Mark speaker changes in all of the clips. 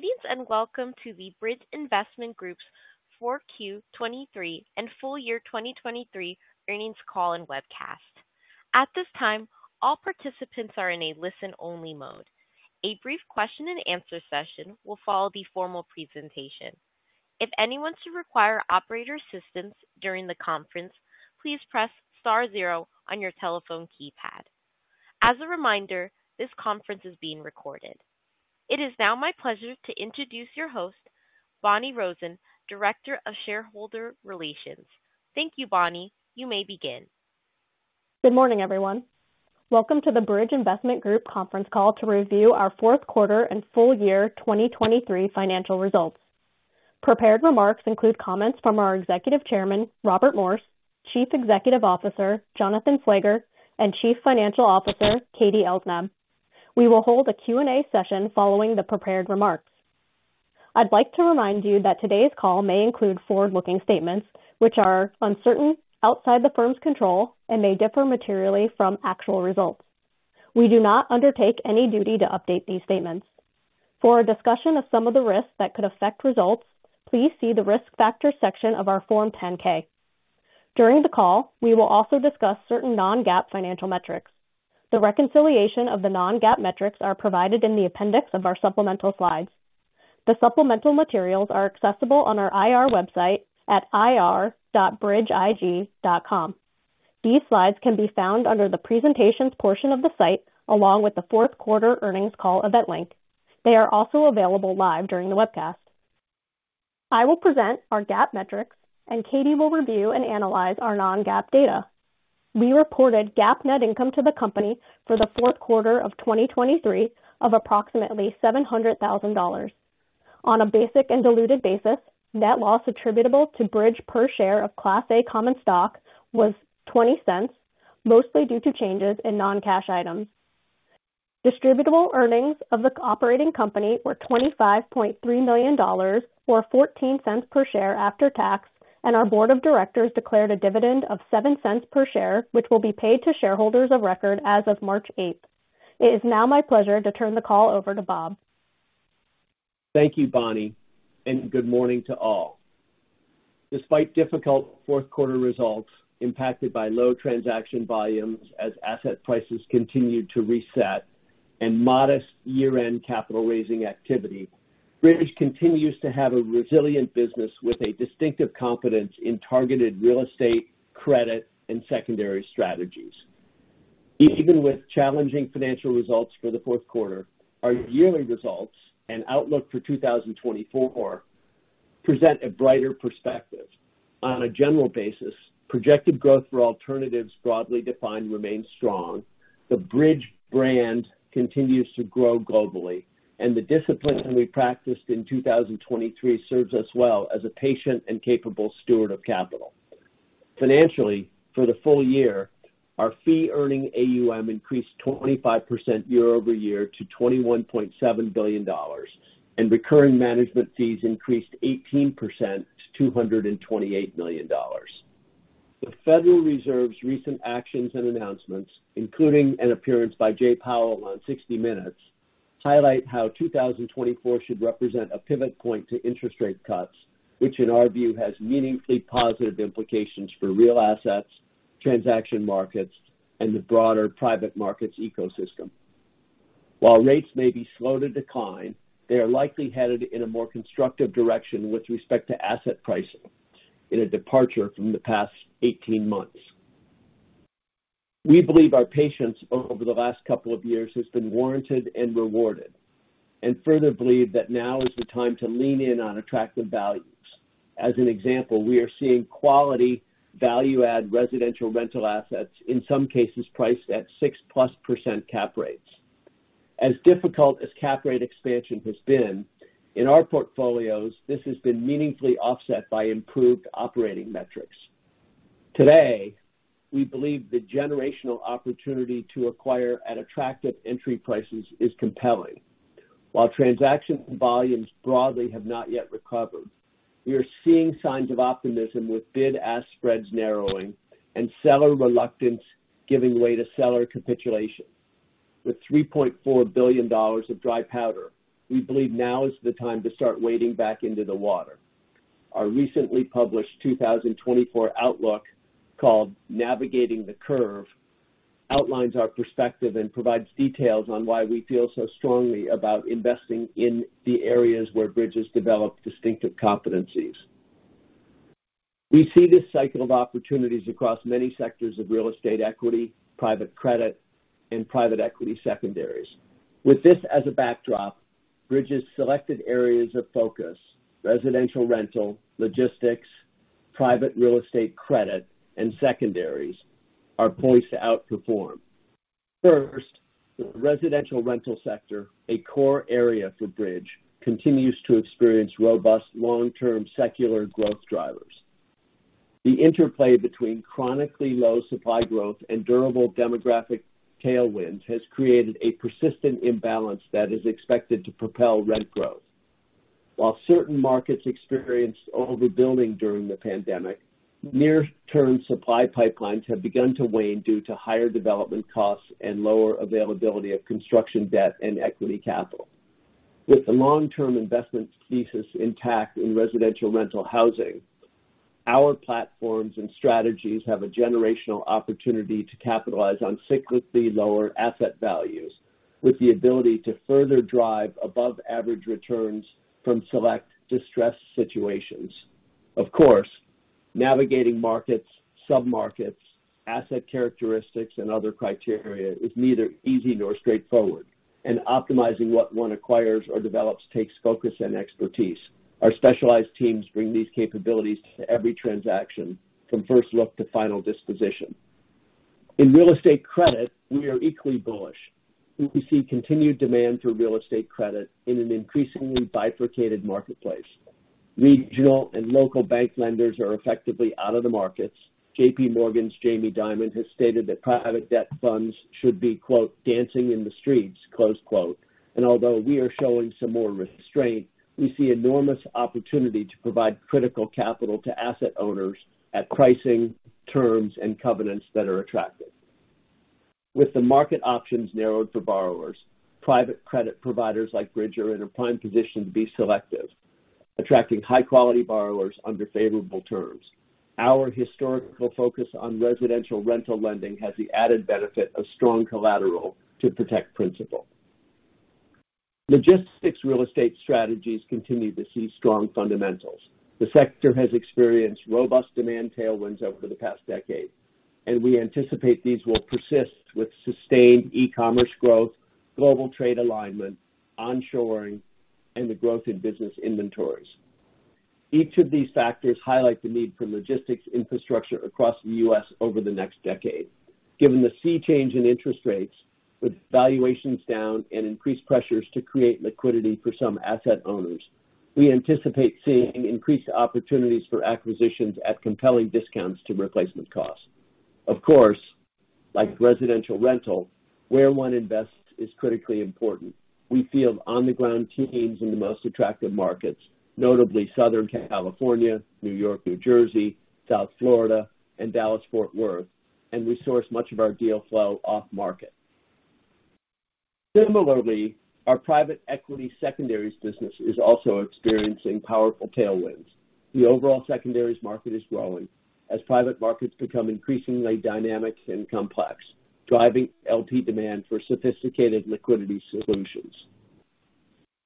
Speaker 1: Greetings and welcome to the Bridge Investment Group's 4Q23 and full year 2023 earnings call and webcast. At this time, all participants are in a listen-only mode. A brief question-and-answer session will follow the formal presentation. If anyone should require operator assistance during the conference, please press star 0 on your telephone keypad. As a reminder, this conference is being recorded. It is now my pleasure to introduce your host, Bonni Rosen, Director of Shareholder Relations. Thank you, Bonni. You may begin.
Speaker 2: Good morning, everyone. Welcome to the Bridge Investment Group conference call to review our Q4 and full year 2023 financial results. Prepared remarks include comments from our Executive Chairman, Robert Morse, Chief Executive Officer, Jonathan Slager, and Chief Financial Officer, Katherine Elsnab. We will hold a Q&A session following the prepared remarks. I'd like to remind you that today's call may include forward-looking statements, which are uncertain, outside the firm's control, and may differ materially from actual results. We do not undertake any duty to update these statements. For a discussion of some of the risks that could affect results, please see the risk factors section of our Form 10-K. During the call, we will also discuss certain non-GAAP financial metrics. The reconciliation of the non-GAAP metrics are provided in the appendix of our supplemental slides. The supplemental materials are accessible on our IR website at ir.bridgeig.com. These slides can be found under the presentations portion of the site along with the Q4 earnings call event link. They are also available live during the webcast. I will present our GAAP metrics, and Katherine will review and analyze our non-GAAP data. We reported GAAP net income to the company for the Q4 of 2023 of approximately $700,000. On a basic and diluted basis, net loss attributable to Bridge per share of Class A common stock was $0.20, mostly due to changes in non-cash items. Distributable earnings of the operating company were $25.3 million or $0.14 per share after tax, and our board of directors declared a dividend of $0.07 per share, which will be paid to shareholders of record as of March 8th. It is now my pleasure to turn the call over to Bob.
Speaker 3: Thank you, Bonni, and good morning to all. Despite difficult Q4 results impacted by low transaction volumes as asset prices continued to reset and modest year-end capital raising activity, Bridge continues to have a resilient business with a distinctive confidence in targeted real estate, credit, and secondary strategies. Even with challenging financial results for the Q4, our yearly results and outlook for 2024 present a brighter perspective. On a general basis, projected growth for alternatives broadly defined remains strong, the Bridge brand continues to grow globally, and the discipline we practiced in 2023 serves us well as a patient and capable steward of capital. Financially, for the full year, our Fee-Earning AUM increased 25% year-over-year to $21.7 billion, and recurring management fees increased 18% to $228 million. The Federal Reserve's recent actions and announcements, including an appearance by Jay Powell on 60 Minutes, highlight how 2024 should represent a pivot point to interest rate cuts, which in our view has meaningfully positive implications for real assets, transaction markets, and the broader private markets ecosystem. While rates may be slow to decline, they are likely headed in a more constructive direction with respect to asset pricing in a departure from the past 18 months. We believe our patience over the last couple of years has been warranted and rewarded, and further believe that now is the time to lean in on attractive values. As an example, we are seeing quality value-add residential rental assets, in some cases priced at 6%+ cap rates. As difficult as cap rate expansion has been, in our portfolios, this has been meaningfully offset by improved operating metrics. Today, we believe the generational opportunity to acquire at attractive entry prices is compelling. While transaction volumes broadly have not yet recovered, we are seeing signs of optimism with bid-ask spreads narrowing and seller reluctance giving way to seller capitulation. With $3.4 billion of dry powder, we believe now is the time to start wading back into the water. Our recently published 2024 outlook called Navigating the Curve outlines our perspective and provides details on why we feel so strongly about investing in the areas where Bridge has developed distinctive competencies. We see this cycle of opportunities across many sectors of real estate equity, private credit, and private equity secondaries. With this as a backdrop, Bridge's selected areas of focus (residential rental, logistics, private real estate credit, and secondaries) are poised to outperform. First, the residential rental sector, a core area for Bridge, continues to experience robust long-term secular growth drivers. The interplay between chronically low supply growth and durable demographic tailwinds has created a persistent imbalance that is expected to propel rent growth. While certain markets experienced overbuilding during the pandemic, near-term supply pipelines have begun to wane due to higher development costs and lower availability of construction debt and equity capital. With the long-term investment thesis intact in residential rental housing, our platforms and strategies have a generational opportunity to capitalize on cyclically lower asset values with the ability to further drive above-average returns from select distressed situations. Of course, navigating markets, submarkets, asset characteristics, and other criteria is neither easy nor straightforward, and optimizing what one acquires or develops takes focus and expertise. Our specialized teams bring these capabilities to every transaction, from first look to final disposition. In real estate credit, we are equally bullish. We see continued demand for real estate credit in an increasingly bifurcated marketplace. Regional and local bank lenders are effectively out of the markets. JPMorgan's Jamie Dimon has stated that private debt funds should be "dancing in the streets," and although we are showing some more restraint, we see enormous opportunity to provide critical capital to asset owners at pricing, terms, and covenants that are attractive. With the market options narrowed for borrowers, private credit providers like Bridge are in a prime position to be selective, attracting high-quality borrowers under favorable terms. Our historical focus on residential rental lending has the added benefit of strong collateral to protect principal. Logistics real estate strategies continue to see strong fundamentals. The sector has experienced robust demand tailwinds over the past decade, and we anticipate these will persist with sustained e-commerce growth, global trade alignment, onshoring, and the growth in business inventories. Each of these factors highlights the need for logistics infrastructure across the U.S. over the next decade. Given the sea change in interest rates, with valuations down and increased pressures to create liquidity for some asset owners, we anticipate seeing increased opportunities for acquisitions at compelling discounts to replacement costs. Of course, like residential rental, where one invests is critically important. We field on-the-ground teams in the most attractive markets, notably Southern California, New York, New Jersey, South Florida, and Dallas-Fort Worth, and we source much of our deal flow off-market. Similarly, our private equity secondaries business is also experiencing powerful tailwinds. The overall secondaries market is growing as private markets become increasingly dynamic and complex, driving LP demand for sophisticated liquidity solutions.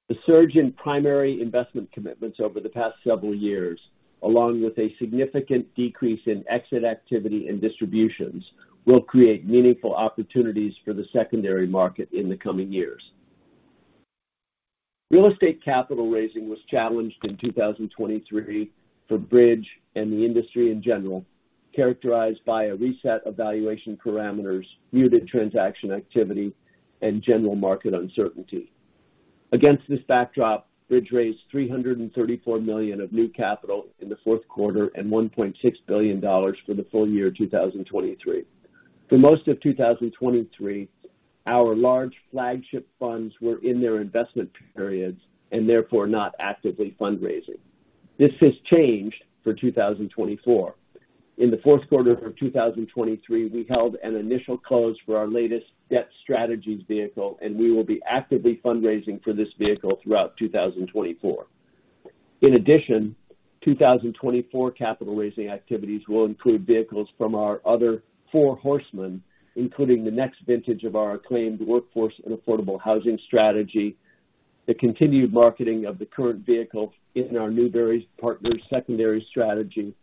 Speaker 3: The surge in primary investment commitments over the past several years, along with a significant decrease in exit activity and distributions, will create meaningful opportunities for the secondary market in the coming years. Real estate capital raising was challenged in 2023 for Bridge and the industry in general, characterized by a reset of valuation parameters, muted transaction activity, and general market uncertainty. Against this backdrop, Bridge raised $334 million of new capital in the Q4 and $1.6 billion for the full year 2023. For most of 2023, our large flagship funds were in their investment periods and therefore not actively fundraising. This has changed for 2024. In the Q4 of 2023, we held an initial close for our latest debt strategies vehicle, and we will be actively fundraising for this vehicle throughout 2024. In addition, 2024 capital raising activities will include vehicles from our other four horsemen, including the next vintage of our acclaimed workforce and affordable housing strategy, the continued marketing of the current vehicle in our Newbury Partners' secondary strategy,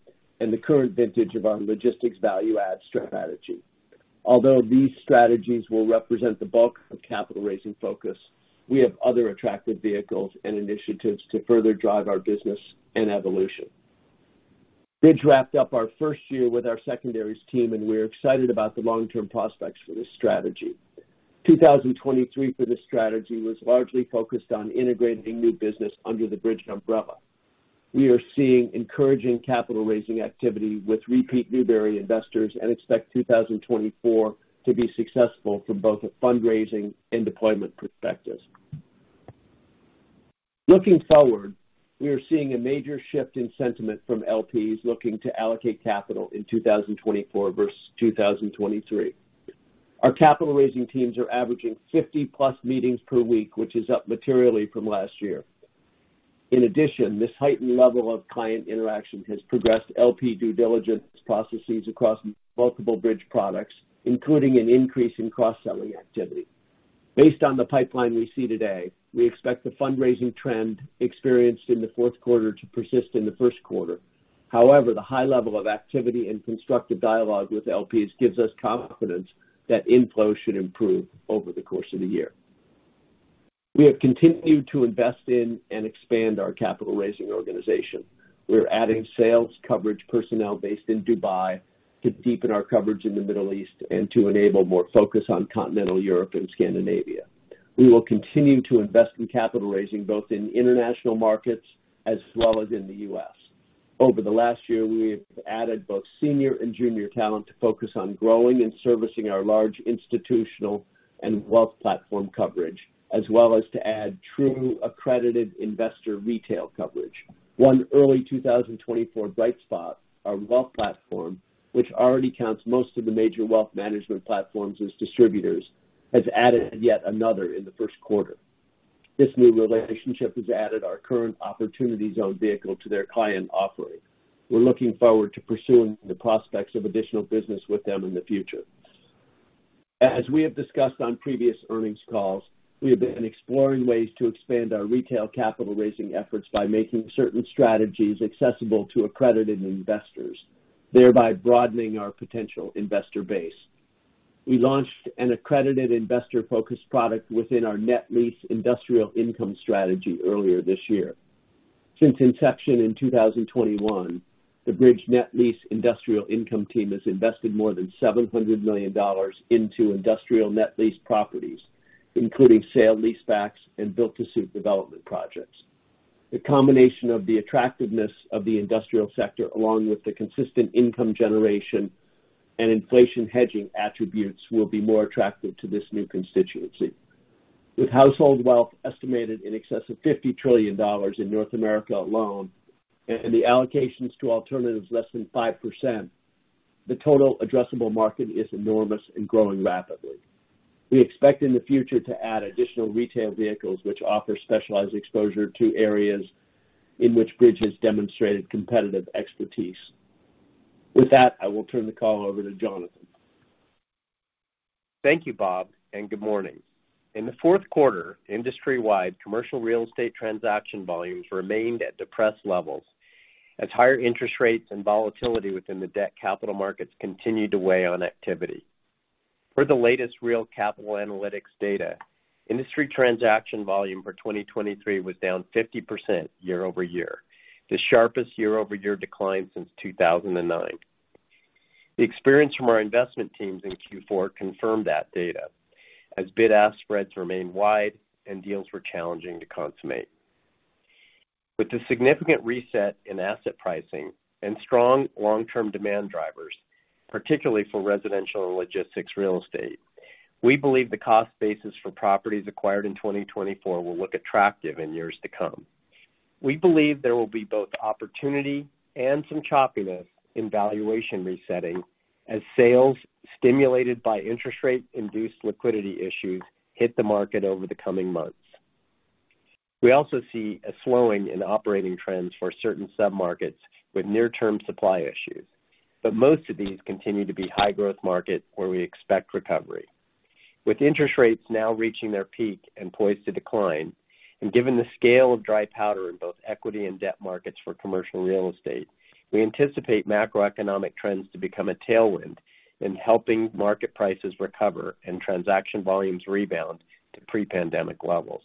Speaker 3: and the current vintage of our logistics value-add strategy. Although these strategies will represent the bulk of capital raising focus, we have other attractive vehicles and initiatives to further drive our business and evolution. Bridge wrapped up our first year with our secondaries team, and we are excited about the long-term prospects for this strategy. 2023 for this strategy was largely focused on integrating new business under the Bridge umbrella. We are seeing encouraging capital raising activity with repeat Newbury investors and expect 2024 to be successful from both a fundraising and deployment perspective. Looking forward, we are seeing a major shift in sentiment from LPs looking to allocate capital in 2024 versus 2023. Our capital raising teams are averaging 50+ meetings per week, which is up materially from last year. In addition, this heightened level of client interaction has progressed LP due diligence processes across multiple Bridge products, including an increase in cross-selling activity. Based on the pipeline we see today, we expect the fundraising trend experienced in the Q4 to persist in the Q1. However, the high level of activity and constructive dialogue with LPs gives us confidence that inflow should improve over the course of the year. We have continued to invest in and expand our capital raising organization. We are adding sales coverage personnel based in Dubai to deepen our coverage in the Middle East and to enable more focus on continental Europe and Scandinavia. We will continue to invest in capital raising both in international markets as well as in the U.S. Over the last year, we have added both senior and junior talent to focus on growing and servicing our large institutional and wealth platform coverage, as well as to add true accredited investor retail coverage. One early 2024 bright spot, our wealth platform, which already counts most of the major wealth management platforms as distributors, has added yet another in the Q1. This new relationship has added our current Opportunity Zone vehicle to their client offering. We're looking forward to pursuing the prospects of additional business with them in the future. As we have discussed on previous earnings calls, we have been exploring ways to expand our retail capital raising efforts by making certain strategies accessible to accredited investors, thereby broadening our potential investor base. We launched an accredited investor-focused product within our Net Lease Industrial Income strategy earlier this year. Since inception in 2021, the Bridge Net Lease Industrial Income team has invested more than $700 million into industrial net lease properties, including sale-leasebacks and built-to-suit development projects. The combination of the attractiveness of the industrial sector along with the consistent income generation and inflation hedging attributes will be more attractive to this new constituency. With household wealth estimated in excess of $50 trillion in North America alone and the allocations to alternatives less than 5%, the total addressable market is enormous and growing rapidly. We expect in the future to add additional retail vehicles which offer specialized exposure to areas in which Bridge has demonstrated competitive expertise. With that, I will turn the call over to Jonathan. Thank you, Bob, and good morning.
Speaker 4: In the Q4, industry-wide commercial real estate transaction volumes remained at depressed levels as higher interest rates and volatility within the debt capital markets continued to weigh on activity. Per the latest Real Capital Analytics data, industry transaction volume for 2023 was down 50% year-over-year, the sharpest year-over-year decline since 2009. The experience from our investment teams in Q4 confirmed that data as bid-ask spreads remained wide and deals were challenging to consummate. With the significant reset in asset pricing and strong long-term demand drivers, particularly for residential and logistics real estate, we believe the cost basis for properties acquired in 2024 will look attractive in years to come. We believe there will be both opportunity and some choppiness in valuation resetting as sales stimulated by interest rate-induced liquidity issues hit the market over the coming months. We also see a slowing in operating trends for certain submarkets with near-term supply issues, but most of these continue to be high-growth markets where we expect recovery. With interest rates now reaching their peak and poised to decline, and given the scale of dry powder in both equity and debt markets for commercial real estate, we anticipate macroeconomic trends to become a tailwind in helping market prices recover and transaction volumes rebound to pre-pandemic levels.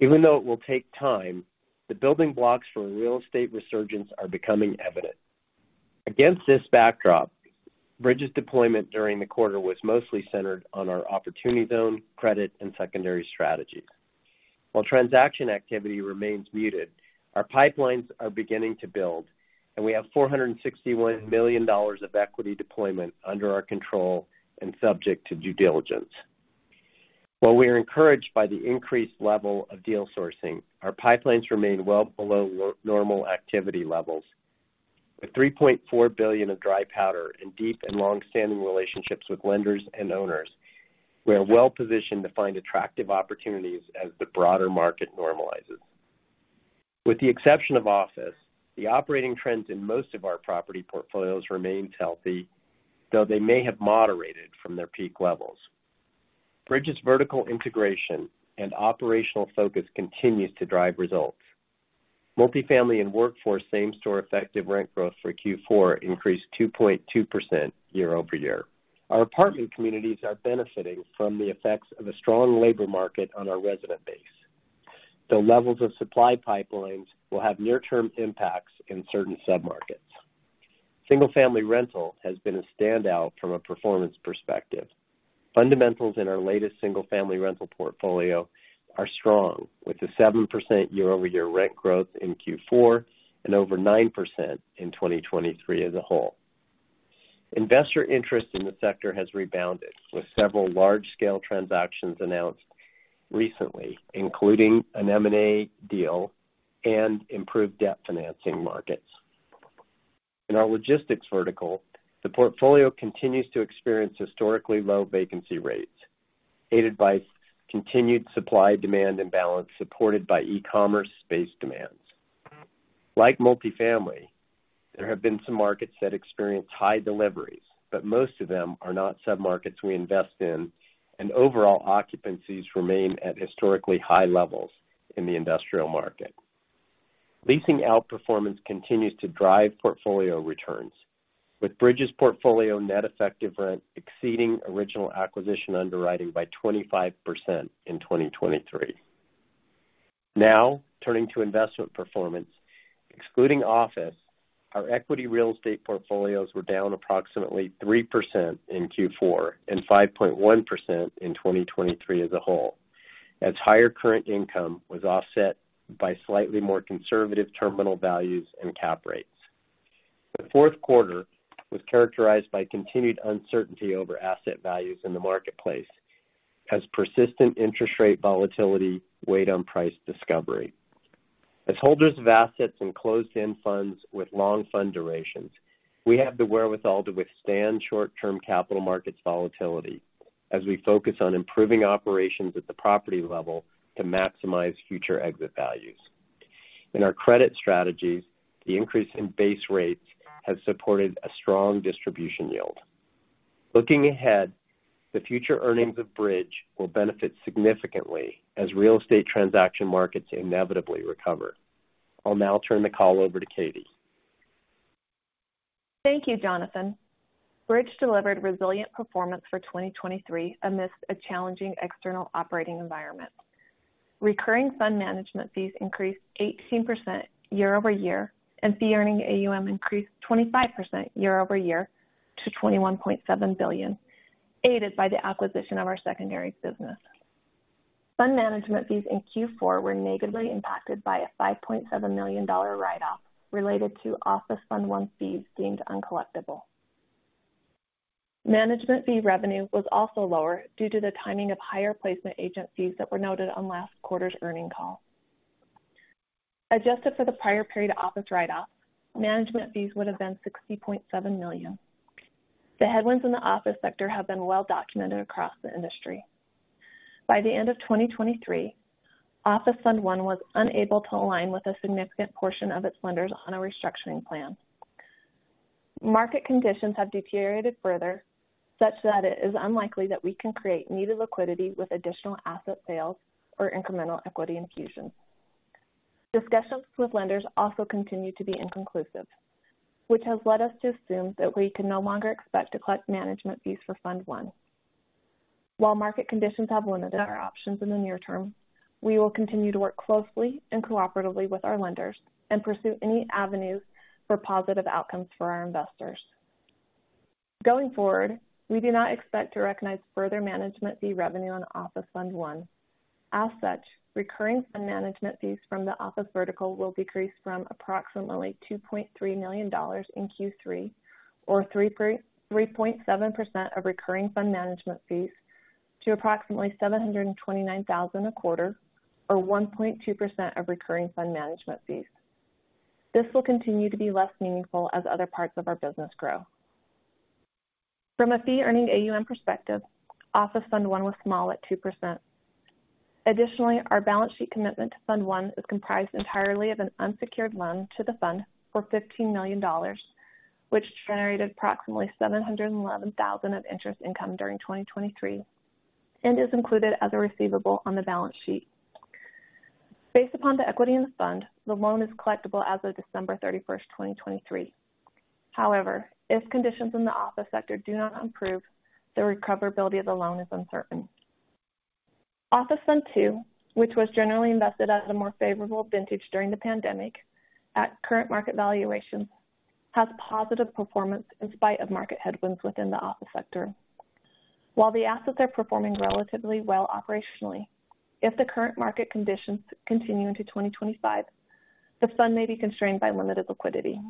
Speaker 4: Even though it will take time, the building blocks for a real estate resurgence are becoming evident. Against this backdrop, Bridge's deployment during the quarter was mostly centered on our opportunity zone, credit, and secondary strategies. While transaction activity remains muted, our pipelines are beginning to build, and we have $461 million of equity deployment under our control and subject to due diligence. While we are encouraged by the increased level of deal sourcing, our pipelines remain well below normal activity levels. With $3.4 billion of dry powder and deep and longstanding relationships with lenders and owners, we are well-positioned to find attractive opportunities as the broader market normalizes. With the exception of office, the operating trends in most of our property portfolios remain healthy, though they may have moderated from their peak levels. Bridge's vertical integration and operational focus continues to drive results. Multifamily and workforce same-store effective rent growth for Q4 increased 2.2% year-over-year. Our apartment communities are benefiting from the effects of a strong labor market on our resident base, though levels of supply pipelines will have near-term impacts in certain submarkets. Single-family rental has been a standout from a performance perspective. Fundamentals in our latest single-family rental portfolio are strong, with a 7% year-over-year rent growth in Q4 and over 9% in 2023 as a whole. Investor interest in the sector has rebounded with several large-scale transactions announced recently, including an M&A deal and improved debt financing markets. In our logistics vertical, the portfolio continues to experience historically low vacancy rates, aided by continued supply-demand imbalance supported by e-commerce-based demands. Like multifamily, there have been some markets that experience high deliveries, but most of them are not submarkets we invest in, and overall occupancies remain at historically high levels in the industrial market. Leasing outperformance continues to drive portfolio returns, with Bridge's portfolio net effective rent exceeding original acquisition underwriting by 25% in 2023. Now, turning to investment performance, excluding office, our equity real estate portfolios were down approximately 3% in Q4 and 5.1% in 2023 as a whole, as higher current income was offset by slightly more conservative terminal values and cap rates. The Q4 was characterized by continued uncertainty over asset values in the marketplace as persistent interest rate volatility weighed on price discovery. As holders of assets and closed-end funds with long fund durations, we have the wherewithal to withstand short-term capital markets volatility as we focus on improving operations at the property level to maximize future exit values. In our credit strategies, the increase in base rates has supported a strong distribution yield. Looking ahead, the future earnings of Bridge will benefit significantly as real estate transaction markets inevitably recover. I'll now turn the call over to Katherine. Thank you, Jonathan.
Speaker 5: Bridge delivered resilient performance for 2023 amidst a challenging external operating environment. Recurring fund management fees increased 18% year-over-year, and fee-earning AUM increased 25% year-over-year to $21.7 billion, aided by the acquisition of our secondary business. Fund management fees in Q4 were negatively impacted by a $5.7 million write-off related to Office Fund One fees deemed uncollectible. Management fee revenue was also lower due to the timing of higher placement agent fees that were noted on last quarter's earnings call. Adjusted for the prior period office write-offs, management fees would have been $60.7 million. The headwinds in the office sector have been well-documented across the industry. By the end of 2023, Office Fund One was unable to align with a significant portion of its lenders on a restructuring plan. Market conditions have deteriorated further, such that it is unlikely that we can create needed liquidity with additional asset sales or incremental equity infusions. Discussions with lenders also continue to be inconclusive, which has led us to assume that we can no longer expect to collect management fees for Fund One. While market conditions have limited our options in the near term, we will continue to work closely and cooperatively with our lenders and pursue any avenues for positive outcomes for our investors. Going forward, we do not expect to recognize further management fee revenue on Office Fund One. As such, recurring fund management fees from the Office vertical will decrease from approximately $2.3 million in Q3, or 3.7% of recurring fund management fees, to approximately $729,000 a quarter, or 1.2% of recurring fund management fees. This will continue to be less meaningful as other parts of our business grow. From a Fee-Earning AUM perspective, Office Fund One was small at 2%. Additionally, our balance sheet commitment to fund one is comprised entirely of an unsecured loan to the fund for $15 million, which generated approximately $711,000 of interest income during 2023 and is included as a receivable on the balance sheet. Based upon the equity in the fund, the loan is collectible as of December 31st, 2023. However, if conditions in the office sector do not improve, the recoverability of the loan is uncertain. Office Fund Two, which was generally invested at a more favorable vintage during the pandemic at current market valuations, has positive performance in spite of market headwinds within the office sector. While the assets are performing relatively well operationally, if the current market conditions continue into 2025, the fund may be constrained by limited liquidity.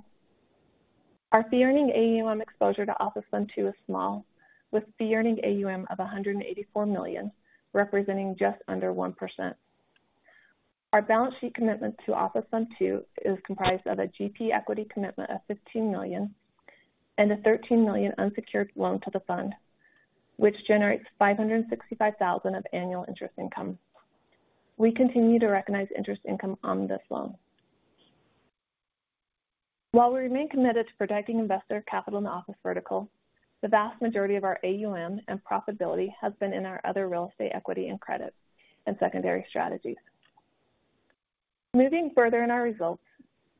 Speaker 5: Our fee-earning AUM exposure to Office Fund II is small, with fee-earning AUM of $184 million, representing just under 1%. Our balance sheet commitment to Office Fund II is comprised of a GP equity commitment of $15 million and a $13 million unsecured loan to the fund, which generates $565,000 of annual interest income. We continue to recognize interest income on this loan. While we remain committed to protecting investor capital in the office vertical, the vast majority of our AUM and profitability has been in our other real estate equity and credit and secondary strategies. Moving further in our results,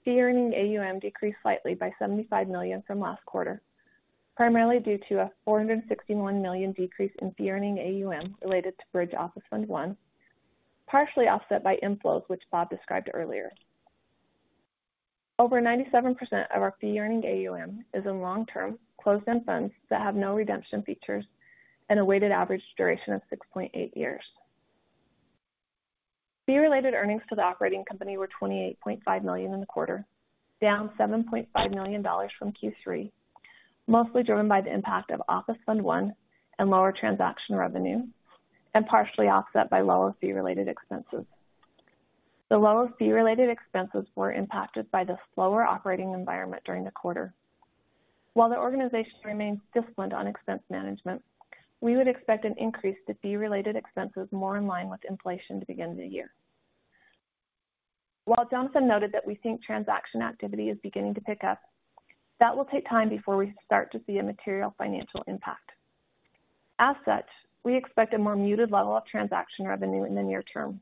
Speaker 5: fee-earning AUM decreased slightly by $75 million from last quarter, primarily due to a $461 million decrease in fee-earning AUM related to Bridge Office Fund One, partially offset by inflows which Bob described earlier. Over 97% of our fee-earning AUM is in long-term closed-end funds that have no redemption features and a weighted average duration of 6.8 years. Fee-related earnings to the operating company were $28.5 million in the quarter, down $7.5 million from Q3, mostly driven by the impact of Office Fund One and lower transaction revenue, and partially offset by lower fee-related expenses. The lower fee-related expenses were impacted by the slower operating environment during the quarter. While the organization remains disciplined on expense management, we would expect an increase to fee-related expenses more in line with inflation to begin the year. While Jonathan noted that we think transaction activity is beginning to pick up, that will take time before we start to see a material financial impact. As such, we expect a more muted level of transaction revenue in the near term.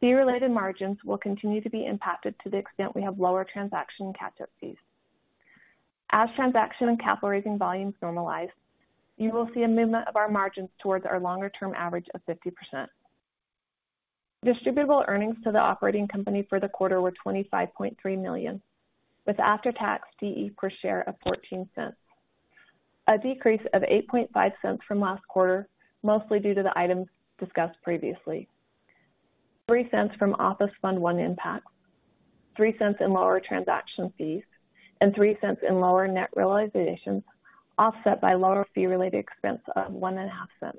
Speaker 5: Fee-related margins will continue to be impacted to the extent we have lower transaction catch-up fees. As transaction and capital raising volumes normalize, you will see a movement of our margins towards our longer-term average of 50%. Distributable earnings to the operating company for the quarter were $25.3 million, with after-tax DE per share of $0.14, a decrease of $0.08 from last quarter, mostly due to the items discussed previously. $0.03 from Office Fund One impacts, $0.03 in lower transaction fees, and $0.03 in lower net realizations offset by lower fee-related expense of $0.01.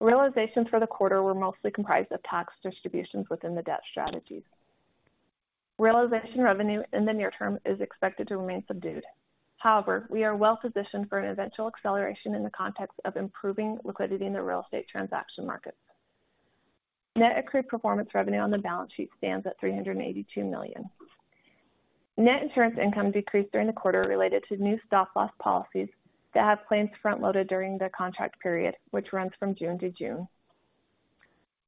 Speaker 5: Realizations for the quarter were mostly comprised of tax distributions within the debt strategies. Realization revenue in the near term is expected to remain subdued. However, we are well-positioned for an eventual acceleration in the context of improving liquidity in the real estate transaction markets. Net accrued performance revenue on the balance sheet stands at $382 million. Net insurance income decreased during the quarter related to new stop-loss policies that have claims front-loaded during the contract period, which runs from June to June.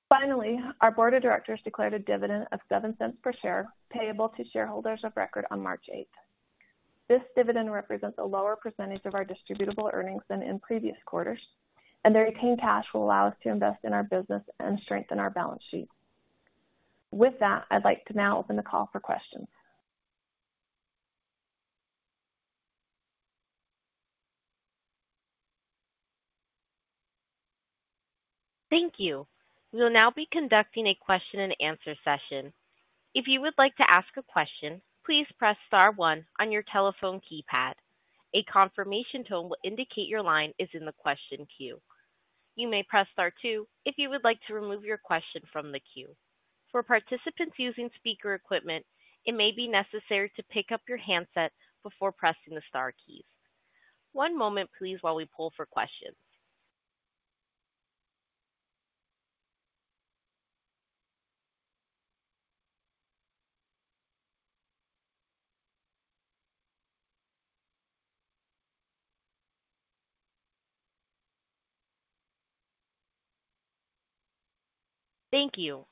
Speaker 5: Finally, our board of directors declared a dividend of $0.07 per share payable to shareholders of record on March 8th. This dividend represents a lower percentage of our distributable earnings than in previous quarters, and the retained cash will allow us to invest in our business and strengthen our balance sheet. With that, I'd like to now open the call for questions.
Speaker 1: Thank you. We'll now be conducting a question-and-answer session. If you would like to ask a question, please press star one on your telephone keypad. A confirmation tone will indicate your line is in the question queue. You may press star two if you would like to remove your question from the queue. For participants using speaker equipment, it may be necessary to pick up your handset before pressing the star keys. One moment, please, while we pull for questions. Thank you.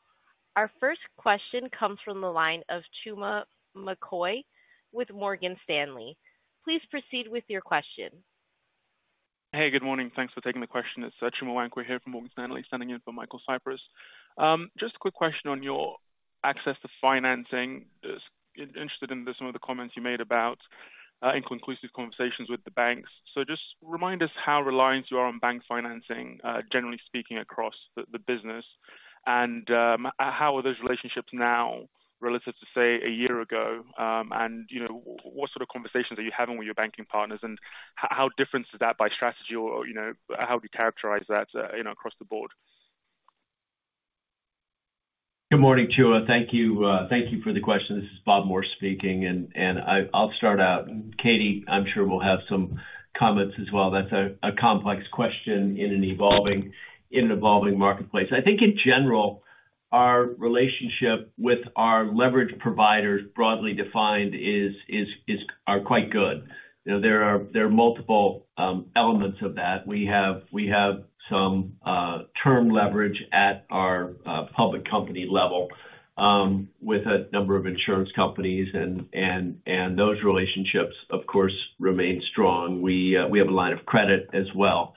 Speaker 1: Our first question comes from the line of Chuma McCoy with Morgan Stanley. Please proceed with your question.
Speaker 6: Hey, good morning. Thanks for taking the question. It's Chuma McCoy here from Morgan Stanley, sending in from Michael Cyprys. Just a quick question on your access to financing. Interested in some of the comments you made about inconclusive conversations with the banks. So just remind us how reliant you are on bank financing, generally speaking, across the business, and how are those relationships now relative to, say, a year ago? And what sort of conversations are you having with your banking partners, and how differences that by strategy or how do you characterize that across the board?
Speaker 3: Good morning, Chuma. Thank you for the question. This is Bob Morse speaking, and I'll start out. Katherine, I'm sure we'll have some comments as well. That's a complex question in an evolving marketplace. I think, in general, our relationship with our leverage providers, broadly defined, are quite good. There are multiple elements of that. We have some term leverage at our public company level with a number of insurance companies, and those relationships, of course, remain strong. We have a line of credit as well.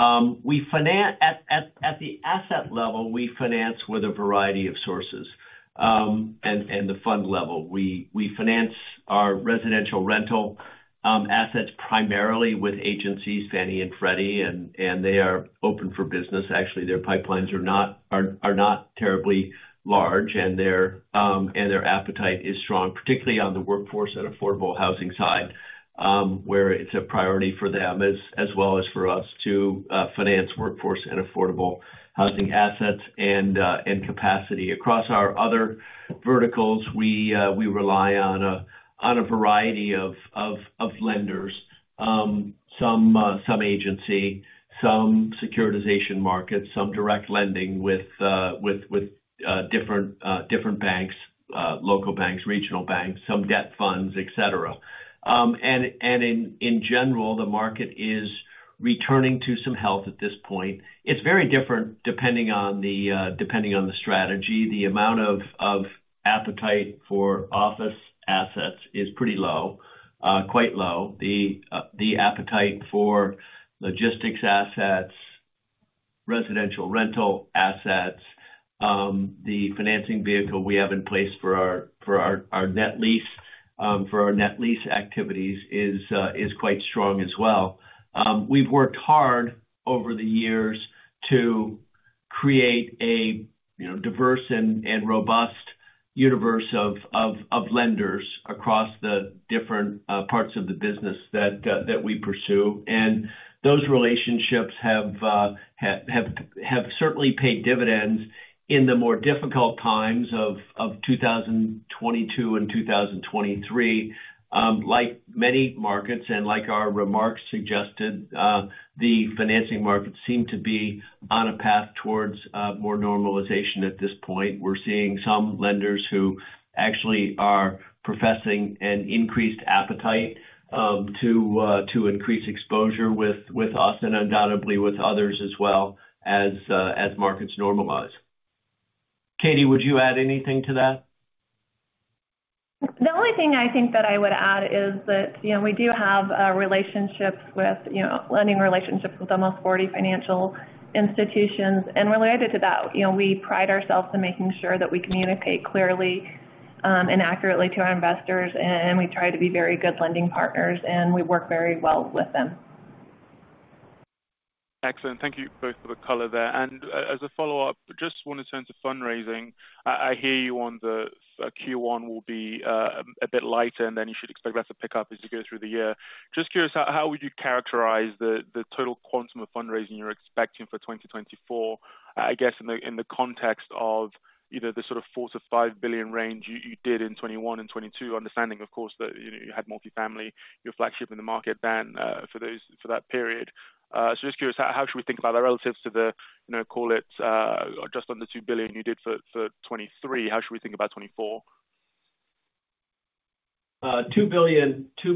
Speaker 3: At the asset level, we finance with a variety of sources. And the fund level, we finance our residential rental assets primarily with agencies, Fannie and Freddie, and they are open for business. Actually, their pipelines are not terribly large, and their appetite is strong, particularly on the workforce and affordable housing side, where it's a priority for them as well as for us to finance workforce and affordable housing assets and capacity. Across our other verticals, we rely on a variety of lenders, some agency, some securitization markets, some direct lending with different banks, local banks, regional banks, some debt funds, etc. And in general, the market is returning to some health at this point. It's very different depending on the strategy. The amount of appetite for office assets is pretty low, quite low. The appetite for logistics assets, residential rental assets, the financing vehicle we have in place for our net lease activities is quite strong as well. We've worked hard over the years to create a diverse and robust universe of lenders across the different parts of the business that we pursue, and those relationships have certainly paid dividends in the more difficult times of 2022 and 2023. Like many markets and like our remarks suggested, the financing markets seem to be on a path towards more normalization at this point. We're seeing some lenders who actually are professing an increased appetite to increase exposure with us and undoubtedly with others as well as markets normalize. Katherine, would you add anything to that?
Speaker 5: The only thing I think that I would add is that we do have lending relationships with almost 40 financial institutions, and related to that, we pride ourselves in making sure that we communicate clearly and accurately to our investors, and we try to be very good lending partners, and we work very well with them.
Speaker 6: Excellent. Thank you both for the color there. As a follow-up, just want to turn to fundraising. I hear you on the Q1 will be a bit lighter, and then you should expect that to pick up as you go through the year. Just curious, how would you characterize the total quantum of fundraising you're expecting for 2024, I guess, in the context of the sort of $4 billion-$5 billion range you did in 2021 and 2022, understanding, of course, that you had multifamily, your flagship in the market then for that period? So just curious, how should we think about that relative to the, call it, just under $2 billion you did for 2023? How should we think about 2024?
Speaker 3: Two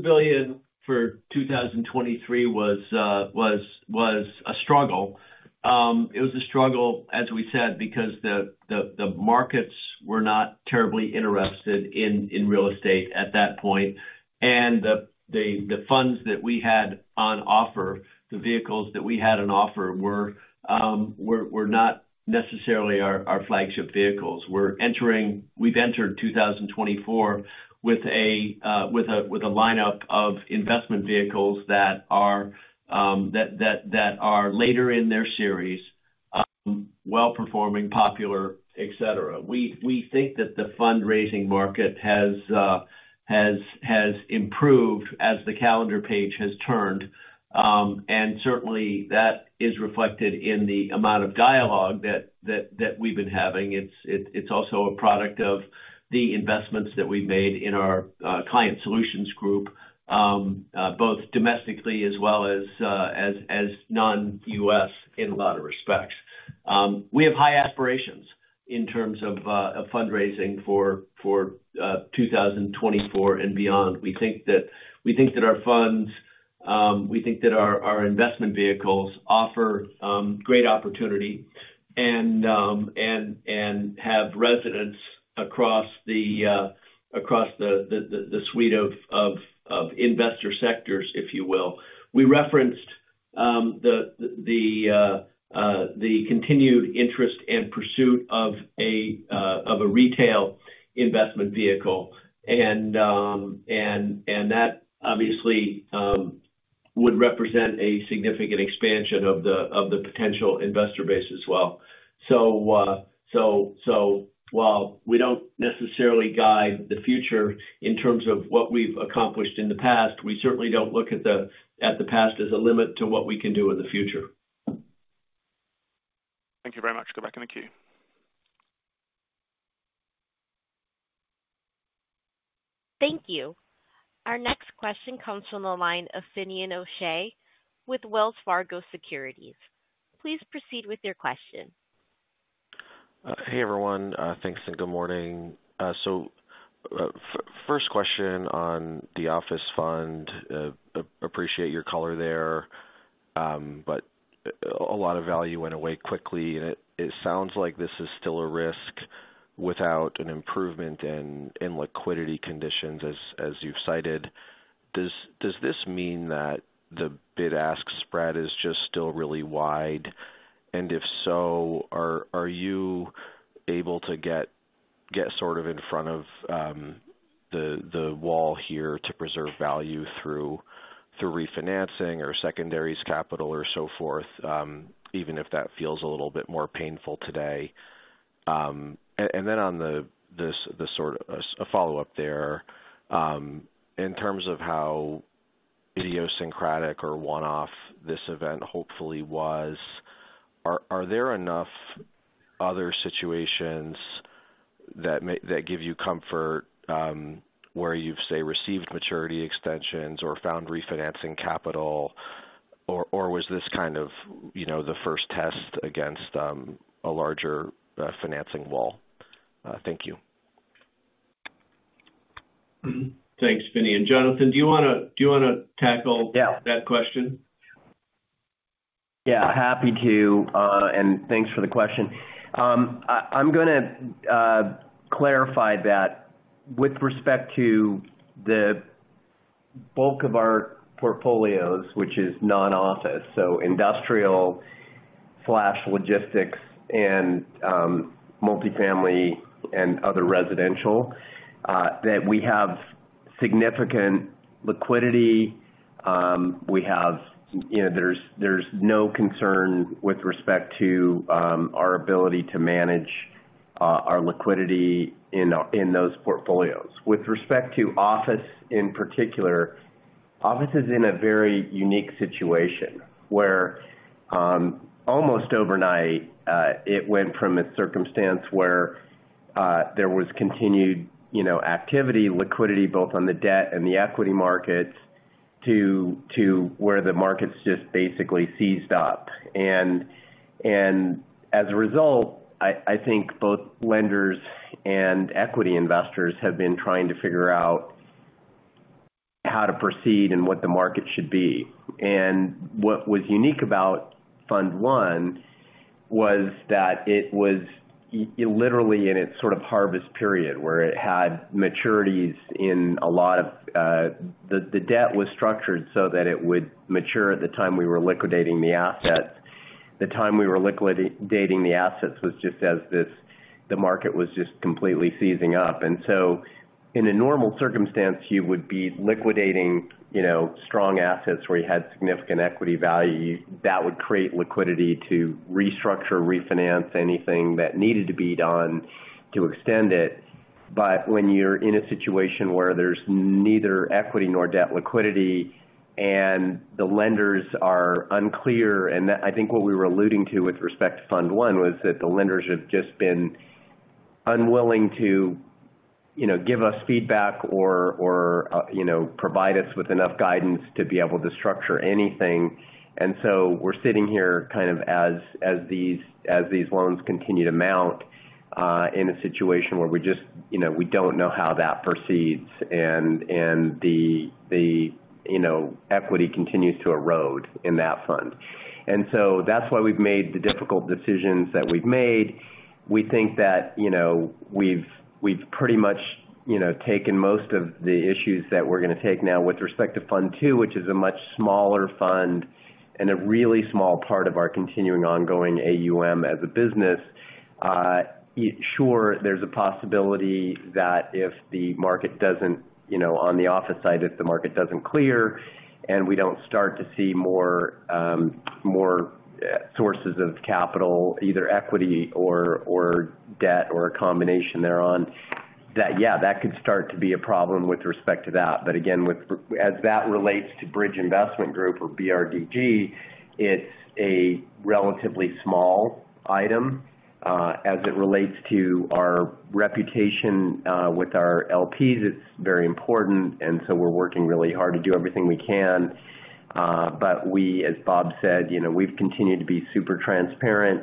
Speaker 3: billion for 2023 was a struggle. It was a struggle, as we said, because the markets were not terribly interested in real estate at that point, and the funds that we had on offer, the vehicles that we had on offer, were not necessarily our flagship vehicles. We've entered 2024 with a lineup of investment vehicles that are later in their series, well-performing, popular, etc. We think that the fundraising market has improved as the calendar page has turned, and certainly, that is reflected in the amount of dialogue that we've been having. It's also a product of the investments that we've made in our client solutions group, both domestically as well as non-US in a lot of respects. We have high aspirations in terms of fundraising for 2024 and beyond. We think that our investment vehicles offer great opportunity and have resonance across the suite of investor sectors, if you will. We referenced the continued interest and pursuit of a retail investment vehicle, and that, obviously, would represent a significant expansion of the potential investor base as well. While we don't necessarily guide the future in terms of what we've accomplished in the past, we certainly don't look at the past as a limit to what we can do in the future.
Speaker 6: Thank you very much. Go back in the queue.
Speaker 3: Thank you.
Speaker 1: Our next question comes from the line of Finian O'Shea with Wells Fargo Securities. Please proceed with your question.
Speaker 7: Hey, everyone. Thanks and good morning. First question on the office fund. Appreciate your color there, but a lot of value went away quickly, and it sounds like this is still a risk without an improvement in liquidity conditions, as you've cited. Does this mean that the bid-ask spread is just still really wide, and if so, are you able to get sort of in front of the wall here to preserve value through refinancing or secondaries capital or so forth, even if that feels a little bit more painful today? And then on the sort of a follow-up there, in terms of how idiosyncratic or one-off this event hopefully was, are there enough other situations that give you comfort where you've, say, received maturity extensions or found refinancing capital, or was this kind of the first test against a larger financing wall? Thank you.
Speaker 3: Thanks, Finnean. Jonathan, do you want to tackle that question?
Speaker 4: Yeah, happy to, and thanks for the question. I'm going to clarify that with respect to the bulk of our portfolios, which is non-office, so industrial/logistics and multifamily and other residential, that we have significant liquidity. There's no concern with respect to our ability to manage our liquidity in those portfolios. With respect to office in particular, office is in a very unique situation where almost overnight, it went from a circumstance where there was continued activity, liquidity both on the debt and the equity markets to where the markets just basically seized up. And as a result, I think both lenders and equity investors have been trying to figure out how to proceed and what the market should be. And what was unique about fund one was that it was literally in its sort of harvest period where it had maturities in a lot of the debt was structured so that it would mature at the time we were liquidating the assets. The time we were liquidating the assets was just as the market was just completely seizing up. In a normal circumstance, you would be liquidating strong assets where you had significant equity value. That would create liquidity to restructure, refinance anything that needed to be done to extend it. But when you're in a situation where there's neither equity nor debt liquidity and the lenders are unclear and I think what we were alluding to with respect to fund one was that the lenders have just been unwilling to give us feedback or provide us with enough guidance to be able to structure anything. We're sitting here kind of as these loans continue to mount in a situation where we just don't know how that proceeds, and the equity continues to erode in that fund. That's why we've made the difficult decisions that we've made. We think that we've pretty much taken most of the issues that we're going to take now with respect to fund two, which is a much smaller fund and a really small part of our continuing ongoing AUM as a business. Sure, there's a possibility that if the market doesn't on the office side, if the market doesn't clear and we don't start to see more sources of capital, either equity or debt or a combination thereon, that, yeah, that could start to be a problem with respect to that. But again, as that relates to Bridge Investment Group or BRDG, it's a relatively small item. As it relates to our reputation with our LPs, it's very important, and so we're working really hard to do everything we can. But we, as Bob said, we've continued to be super transparent.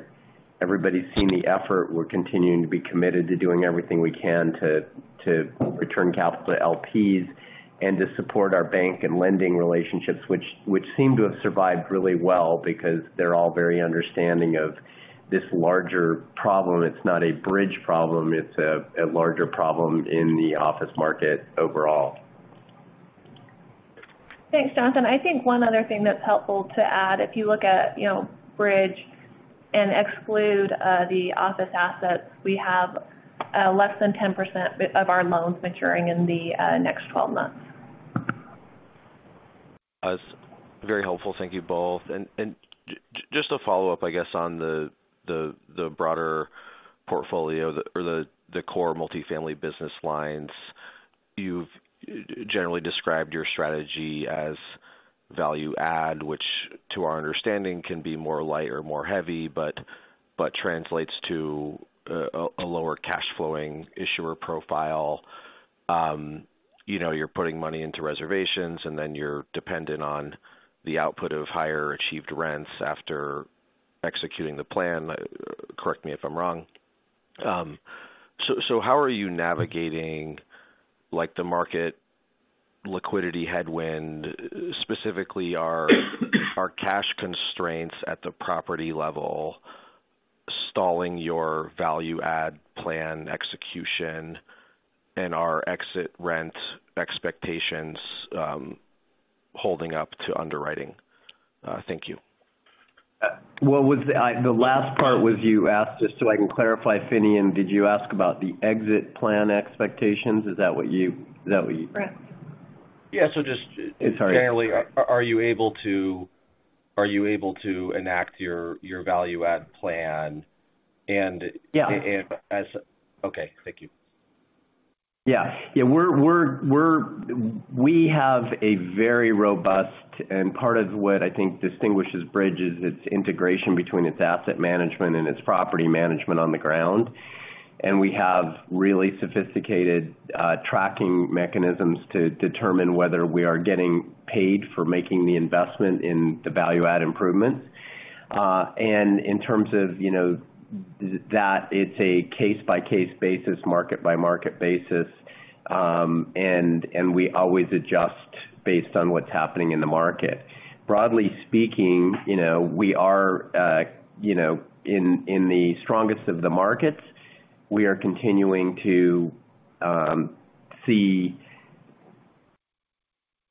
Speaker 4: Everybody's seen the effort. We're continuing to be committed to doing everything we can to return capital to LPs and to support our bank and lending relationships, which seem to have survived really well because they're all very understanding of this larger problem. It's not a Bridge problem. It's a larger problem in the office market overall.
Speaker 5: Thanks, Jonathan. I think one other thing that's helpful to add, if you look at Bridge and exclude the office assets, we have less than 10% of our loans maturing in the next 12 months.
Speaker 7: Very helpful. Thank you both. And just a follow-up, I guess, on the broader portfolio or the core multifamily business lines, you've generally described your strategy as value-add, which to our understanding can be more light or more heavy but translates to a lower cash-flowing issuer profile. You're putting money into reservations, and then you're dependent on the output of higher achieved rents after executing the plan. Correct me if I'm wrong. So how are you navigating the market liquidity headwind, specifically our cash constraints at the property level, stalling your value add plan execution, and our exit rent expectations holding up to underwriting? Thank you.
Speaker 3: Well, the last part was you asked just so I can clarify, Finnean, did you ask about the exit plan expectations? Is that what you? Correct.
Speaker 7: Yeah, so just generally, are you able to enact your value add plan? And as? Yeah. Okay. Thank you. Yeah. Yeah, we have a very robust and part of what I think distinguishes Bridge is its integration between its asset management and its property management on the ground. We have really sophisticated tracking mechanisms to determine whether we are getting paid for making the investment in the value add improvements. In terms of that, it's a case-by-case basis, market-by-market basis, and we always adjust based on what's happening in the market. Broadly speaking, we are in the strongest of the markets. We are continuing to see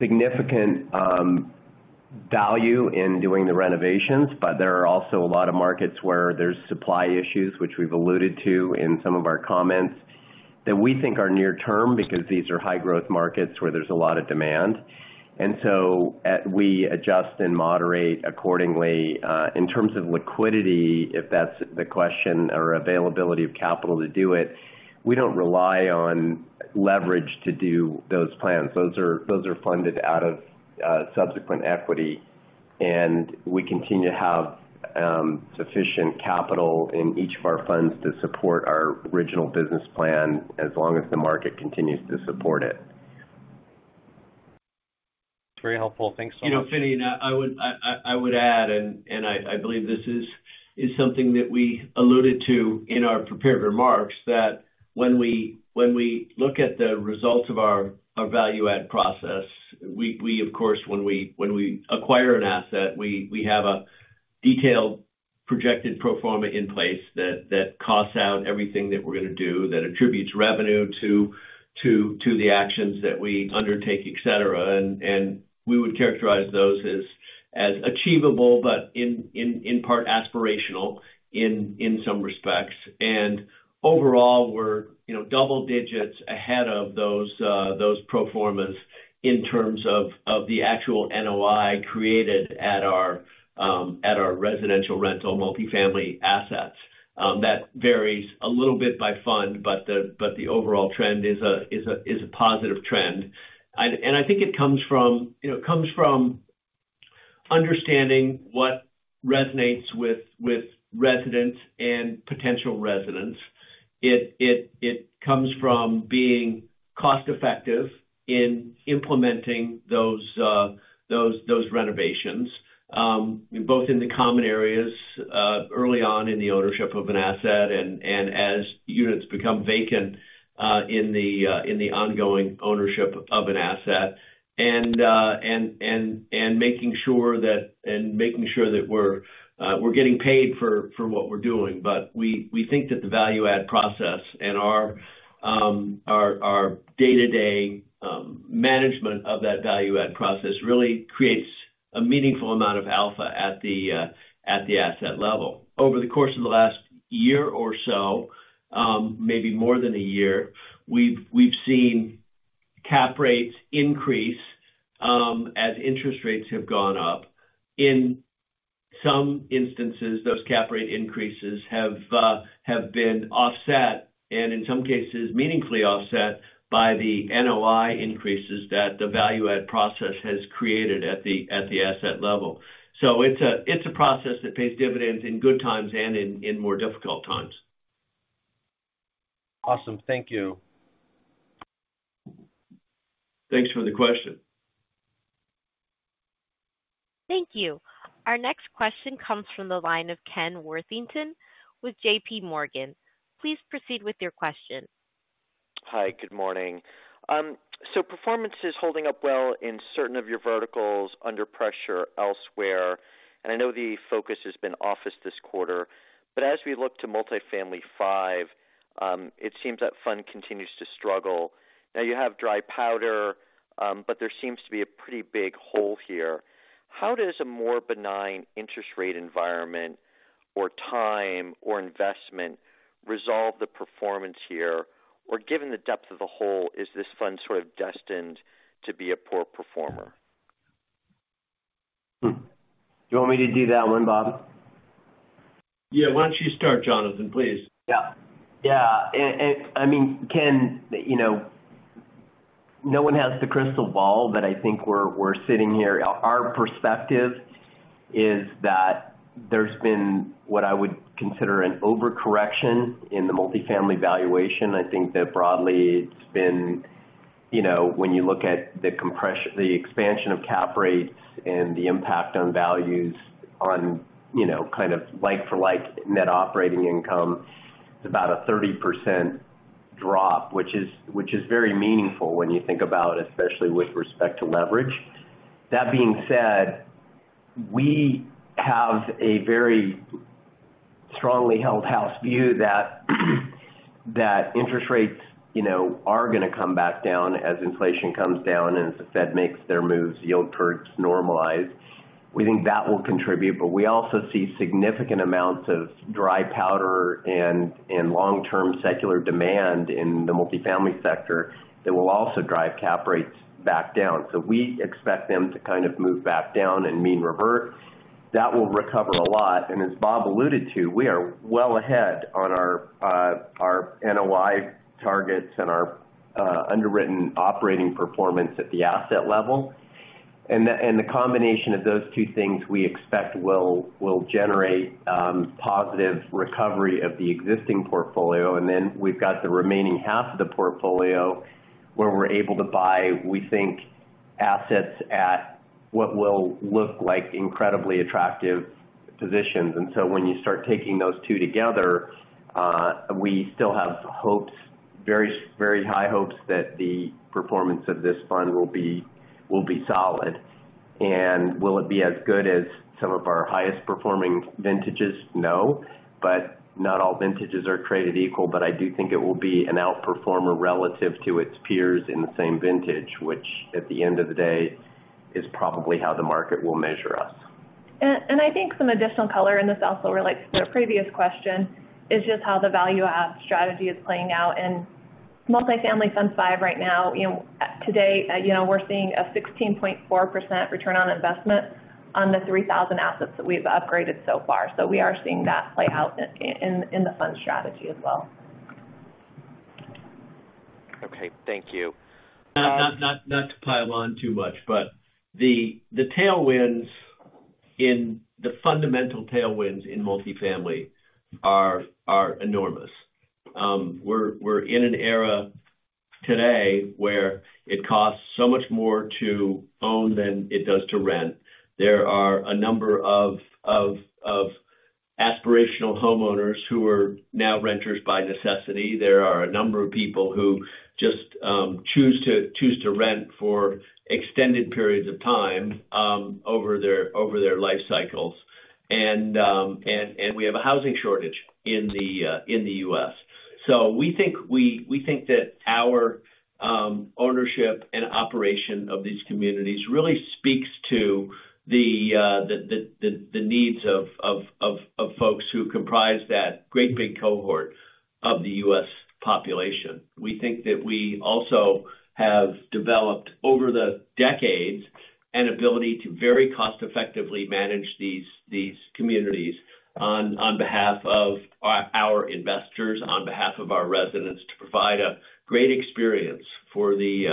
Speaker 7: significant value in doing the renovations, but there are also a lot of markets where there's supply issues, which we've alluded to in some of our comments, that we think are near-term because these are high-growth markets where there's a lot of demand. We adjust and moderate accordingly. In terms of liquidity, if that's the question, or availability of capital to do it, we don't rely on leverage to do those plans. Those are funded out of subsequent equity, and we continue to have sufficient capital in each of our funds to support our original business plan as long as the market continues to support it. Very helpful. Thanks so much.
Speaker 4: Finnean, I would add, and I believe this is something that we alluded to in our prepared remarks, that when we look at the results of our value add process, we, of course, when we acquire an asset, we have a detailed projected pro forma in place that costs out everything that we're going to do, that attributes revenue to the actions that we undertake, etc. And we would characterize those as achievable but in part aspirational in some respects. And overall, we're double digits ahead of those pro formas in terms of the actual NOI created at our residential rental multifamily assets. That varies a little bit by fund, but the overall trend is a positive trend. I think it comes from it comes from understanding what resonates with residents and potential residents. It comes from being cost-effective in implementing those renovations, both in the common areas early on in the ownership of an asset and as units become vacant in the ongoing ownership of an asset, and making sure that and making sure that we're getting paid for what we're doing. We think that the value-add process and our day-to-day management of that value-add process really creates a meaningful amount of alpha at the asset level. Over the course of the last year or so, maybe more than a year, we've seen cap rates increase as interest rates have gone up. In some instances, those cap rate increases have been offset and, in some cases, meaningfully offset by the NOI increases that the value-add process has created at the asset level. So it's a process that pays dividends in good times and in more difficult times.
Speaker 7: Awesome. Thank you.
Speaker 4: Thanks for the question.
Speaker 1: Thank you. Our next question comes from the line of Ken Worthington with JPMorgan. Please proceed with your question.
Speaker 8: Hi. Good morning. So performance is holding up well in certain of your verticals under pressure elsewhere, and I know the focus has been office this quarter. But as we look to Multifamily Five, it seems that fund continues to struggle. Now, you have dry powder, but there seems to be a pretty big hole here. How does a more benign interest rate environment or time or investment resolve the performance here? Or given the depth of the hole, is this fund sort of destined to be a poor performer?
Speaker 4: Do you want me to do that one, Bob?
Speaker 3: Yeah. Why don't you start, Jonathan, please?
Speaker 4: Yeah. Yeah. I mean, Ken, no one has the crystal ball, but I think we're sitting here. Our perspective is that there's been what I would consider an overcorrection in the multifamily valuation. I think that broadly, it's been when you look at the expansion of cap rates and the impact on values on kind of like-for-like net operating income, it's about a 30% drop, which is very meaningful when you think about it, especially with respect to leverage. That being said, we have a very strongly held house view that interest rates are going to come back down as inflation comes down and as the Fed makes their moves, yield curves normalize. We think that will contribute. But we also see significant amounts of dry powder and long-term secular demand in the multifamily sector that will also drive cap rates back down. So we expect them to kind of move back down and mean revert. That will recover a lot. And as Bob alluded to, we are well ahead on our NOI targets and our underwritten operating performance at the asset level. And the combination of those two things, we expect, will generate positive recovery of the existing portfolio. And then we've got the remaining half of the portfolio where we're able to buy, we think, assets at what will look like incredibly attractive positions. And so when you start taking those two together, we still have hopes, very high hopes, that the performance of this fund will be solid. Will it be as good as some of our highest performing vintages? No. But not all vintages are created equal. But I do think it will be an outperformer relative to its peers in the same vintage, which, at the end of the day, is probably how the market will measure us.
Speaker 5: And I think some additional color in this also relates to a previous question is just how the value-add strategy is playing out. And Multifamily Fund Five right now, today, we're seeing a 16.4% return on investment on the 3,000 assets that we've upgraded so far. So we are seeing that play out in the fund strategy as well. Okay.
Speaker 8: Thank you.
Speaker 3: Not to pile on too much, but the tailwinds in the fundamental tailwinds in multifamily are enormous. We're in an era today where it costs so much more to own than it does to rent. There are a number of aspirational homeowners who are now renters by necessity. There are a number of people who just choose to rent for extended periods of time over their life cycles. We have a housing shortage in the U.S. We think that our ownership and operation of these communities really speaks to the needs of folks who comprise that great big cohort of the U.S. population. We think that we also have developed, over the decades, an ability to very cost-effectively manage these communities on behalf of our investors, on behalf of our residents, to provide a great experience for the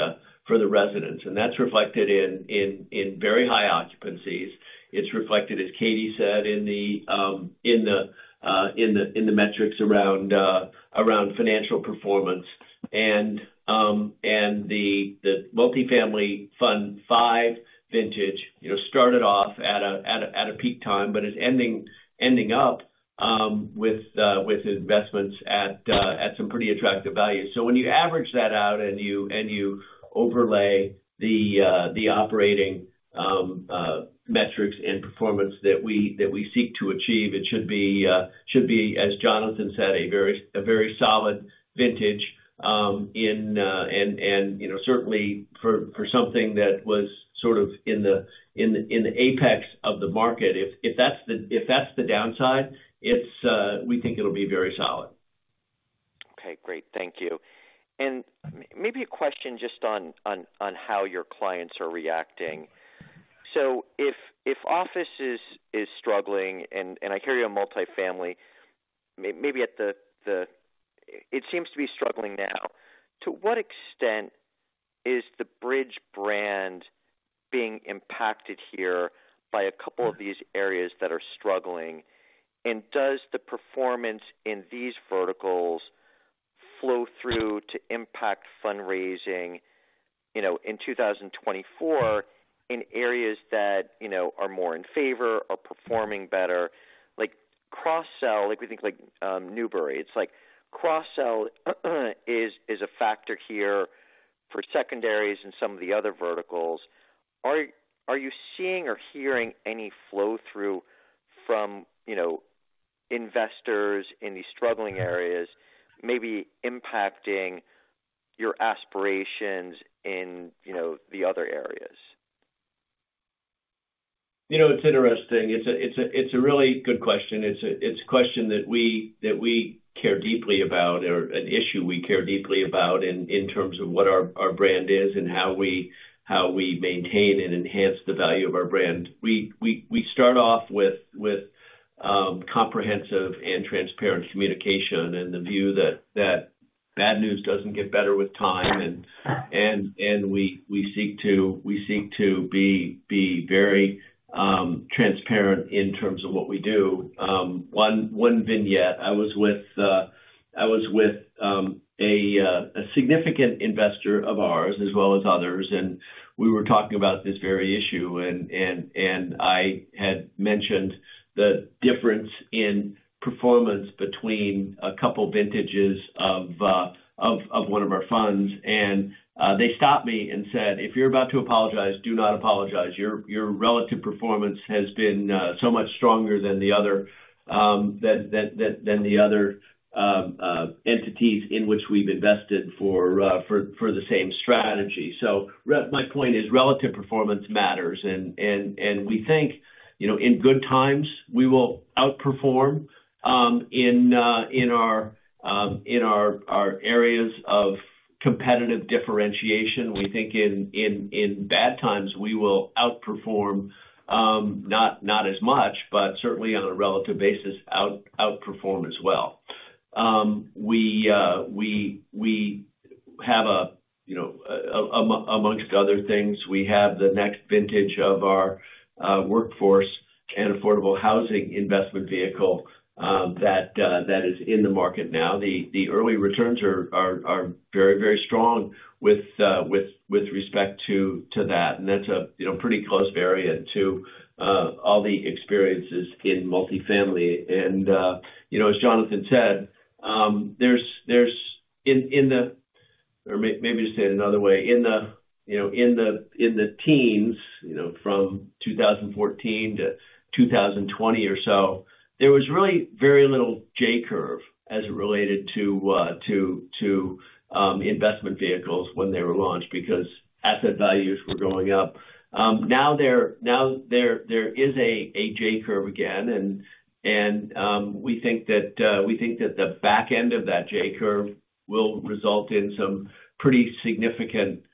Speaker 3: residents. That's reflected in very high occupancies. It's reflected, as Katherine said, in the metrics around financial performance. The multifamily fund five vintage started off at a peak time but is ending up with investments at some pretty attractive values. So when you average that out and you overlay the operating metrics and performance that we seek to achieve, it should be, as Jonathan said, a very solid vintage and certainly for something that was sort of in the apex of the market. If that's the downside, we think it'll be very solid.
Speaker 8: Okay. Great. Thank you. And maybe a question just on how your clients are reacting. So if office is struggling, and I hear you on multifamily, maybe at the it seems to be struggling now. To what extent is the Bridge brand being impacted here by a couple of these areas that are struggling?
Speaker 3: Does the performance in these verticals flow through to impact fundraising in 2024 in areas that are more in favor, are performing better? Cross-sell, we think like Newbury. It's like cross-sell is a factor here for secondaries and some of the other verticals. Are you seeing or hearing any flow-through from investors in these struggling areas maybe impacting your aspirations in the other areas? It's interesting. It's a really good question. It's a question that we care deeply about or an issue we care deeply about in terms of what our brand is and how we maintain and enhance the value of our brand. We start off with comprehensive and transparent communication and the view that bad news doesn't get better with time. We seek to be very transparent in terms of what we do. One vignette, I was with a significant investor of ours as well as others, and we were talking about this very issue. I had mentioned the difference in performance between a couple vintages of one of our funds. They stopped me and said, "If you're about to apologize, do not apologize. Your relative performance has been so much stronger than the other than the other entities in which we've invested for the same strategy." My point is relative performance matters. We think in good times, we will outperform in our areas of competitive differentiation. We think in bad times, we will outperform not as much, but certainly on a relative basis, outperform as well. We have amongst other things, we have the next vintage of our Workforce and Affordable Housing investment vehicle that is in the market now. The early returns are very, very strong with respect to that. And that's a pretty close variant to all the experiences in multifamily. And as Jonathan said, maybe just say it another way. In the teens from 2014 to 2020 or so, there was really very little J Curve as it related to investment vehicles when they were launched because asset values were going up. Now, there is a J Curve again. And we think that we think that the back end of that J Curve will result in some pretty significant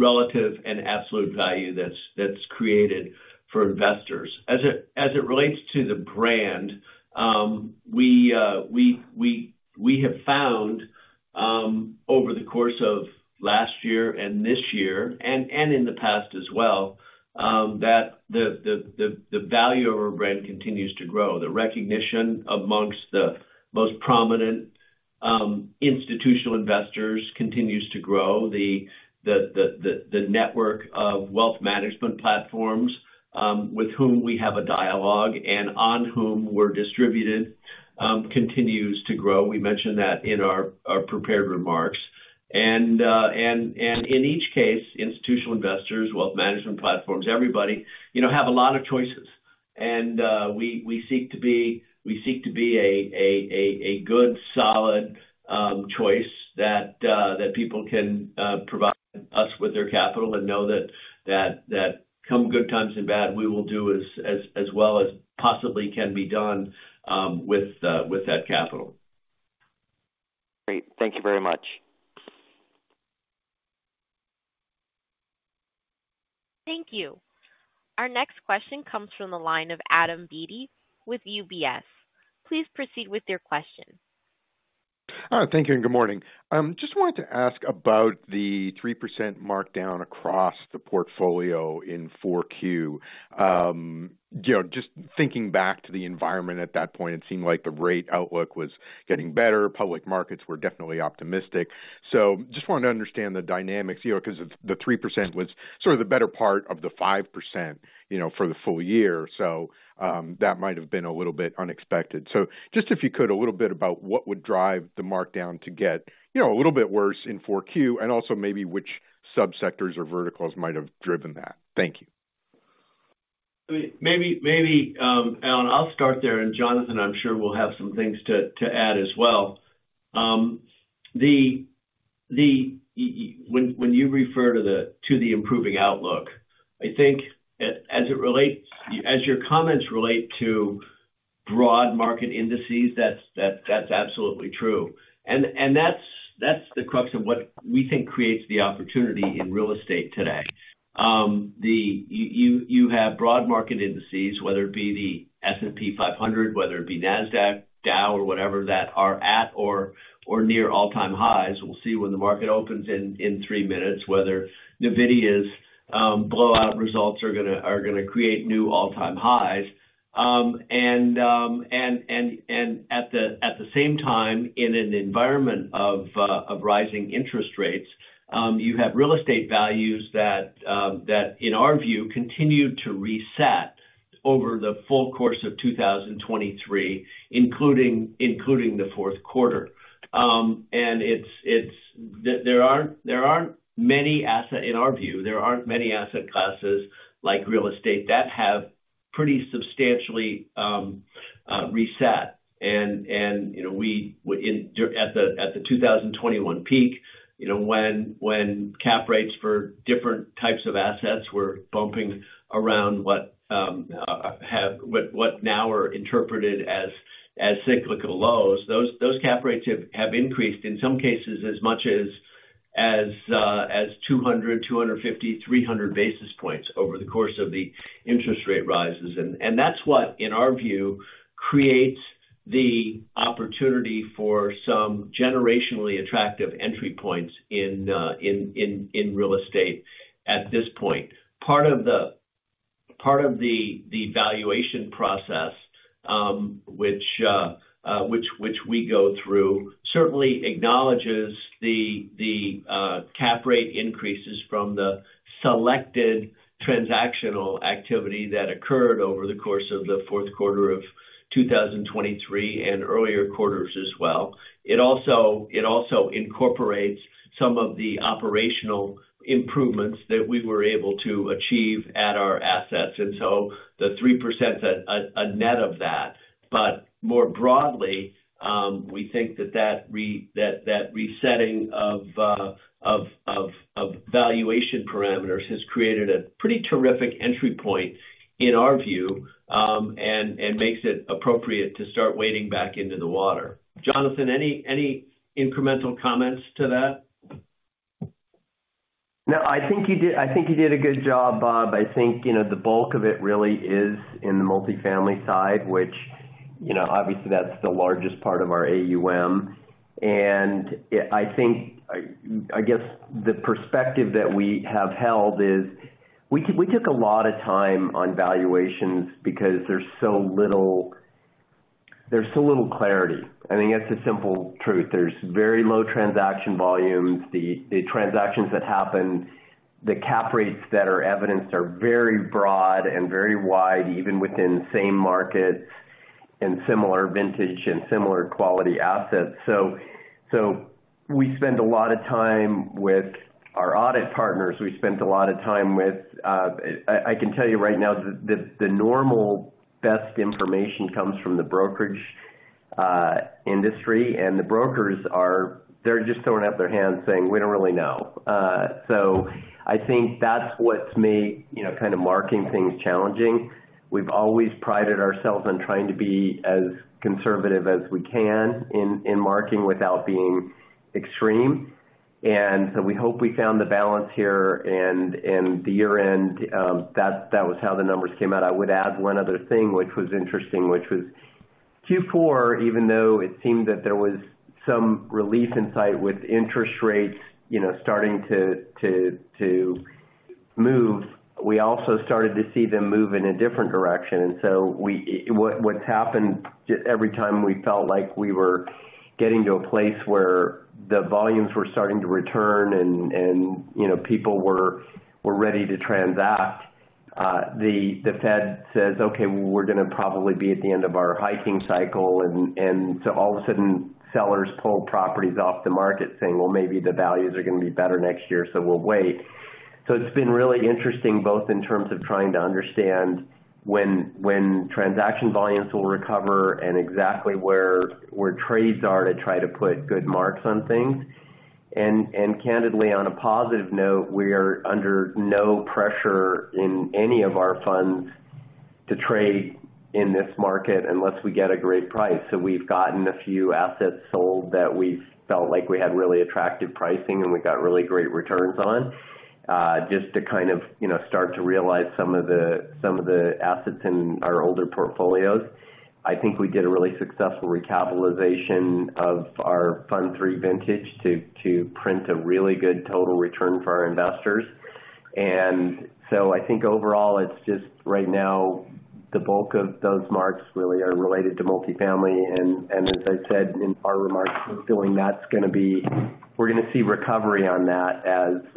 Speaker 3: relative and absolute value that's created for investors. As it relates to the brand, we have found over the course of last year and this year and in the past as well that the value of our brand continues to grow. The recognition among the most prominent institutional investors continues to grow. The network of wealth management platforms with whom we have a dialogue and on whom we're distributed continues to grow. We mentioned that in our prepared remarks. In each case, institutional investors, wealth management platforms, everybody have a lot of choices. We seek to be we seek to be a good, solid choice that people can provide us with their capital and know that come good times and bad, we will do as well as possibly can be done with that capital.
Speaker 8: Great. Thank you very much.
Speaker 1: Thank you. Our next question comes from the line of Adam Beatty with UBS. Please proceed with your question.
Speaker 9: All right. Thank you and good morning. Just wanted to ask about the 3% markdown across the portfolio in 4Q. Just thinking back to the environment at that point, it seemed like the rate outlook was getting better. Public markets were definitely optimistic. Just wanted to understand the dynamics because the 3% was sort of the better part of the 5% for the full year. That might have been a little bit unexpected. Just if you could, a little bit about what would drive the markdown to get a little bit worse in 4Q and also maybe which subsectors or verticals might have driven that. Thank you.
Speaker 3: I mean, maybe, Adam, I'll start there. Jonathan, I'm sure we'll have some things to add as well. When you refer to the improving outlook, I think as it relates as your comments relate to broad market indices, that's absolutely true. That's the crux of what we think creates the opportunity in real estate today. You have broad market indices, whether it be the S&P 500, whether it be Nasdaq, Dow, or whatever, that are at or near all-time highs - we'll see when the market opens in three minutes whether Nvidia's blowout results are going to create new all-time highs - and at the same time, in an environment of rising interest rates, you have real estate values that, in our view, continue to reset over the full course of 2023, including the Q4. There aren't many assets in our view, there aren't many asset classes like real estate that have pretty substantially reset. At the 2021 peak, when cap rates for different types of assets were bumping around what now are interpreted as cyclical lows, those cap rates have increased, in some cases, as much as 200, 250, 300 basis points over the course of the interest rate rises. That's what, in our view, creates the opportunity for some generationally attractive entry points in real estate at this point. Part of the valuation process, which we go through, certainly acknowledges the cap rate increases from the selected transactional activity that occurred over the course of the Q4 of 2023 and earlier quarters as well. It also incorporates some of the operational improvements that we were able to achieve at our assets. So the 3%, a net of that. But more broadly, we think that that resetting of valuation parameters has created a pretty terrific entry point, in our view, and makes it appropriate to start wading back into the water. Jonathan, any incremental comments to that?
Speaker 4: No, I think you did a good job, Robert. I think the bulk of it really is in the multifamily side, which obviously, that's the largest part of our AUM. I guess the perspective that we have held is we took a lot of time on valuations because there's so little clarity. I mean, it's a simple truth. There's very low transaction volumes. The transactions that happen, the cap rates that are evidenced are very broad and very wide, even within same markets and similar vintage and similar quality assets. So we spend a lot of time with our audit partners. We spent a lot of time. I can tell you right now, the normal best information comes from the brokerage industry. And the brokers, they're just throwing out their hands saying, "We don't really know." So I think that's what's made kind of marking things challenging. We've always prided ourselves on trying to be as conservative as we can in marking without being extreme. And so we hope we found the balance here. And the year-end, that was how the numbers came out. I would add one other thing which was interesting, which was Q4, even though it seemed that there was some relief in sight with interest rates starting to move, we also started to see them move in a different direction. And so what's happened every time we felt like we were getting to a place where the volumes were starting to return and people were ready to transact, the Fed says, "Okay, well, we're going to probably be at the end of our hiking cycle." And so all of a sudden, sellers pull properties off the market saying, "Well, maybe the values are going to be better next year, so we'll wait." So it's been really interesting both in terms of trying to understand when transaction volumes will recover and exactly where trades are to try to put good marks on things. And candidly, on a positive note, we are under no pressure in any of our funds to trade in this market unless we get a great price. So we've gotten a few assets sold that we felt like we had really attractive pricing, and we got really great returns on just to kind of start to realize some of the assets in our older portfolios. I think we did a really successful recapitalization of our Fund III vintage to print a really good total return for our investors. And so I think overall, it's just right now, the bulk of those marks really are related to multifamily. And as I said in our remarks with Bill, that's going to be we're going to see recovery on that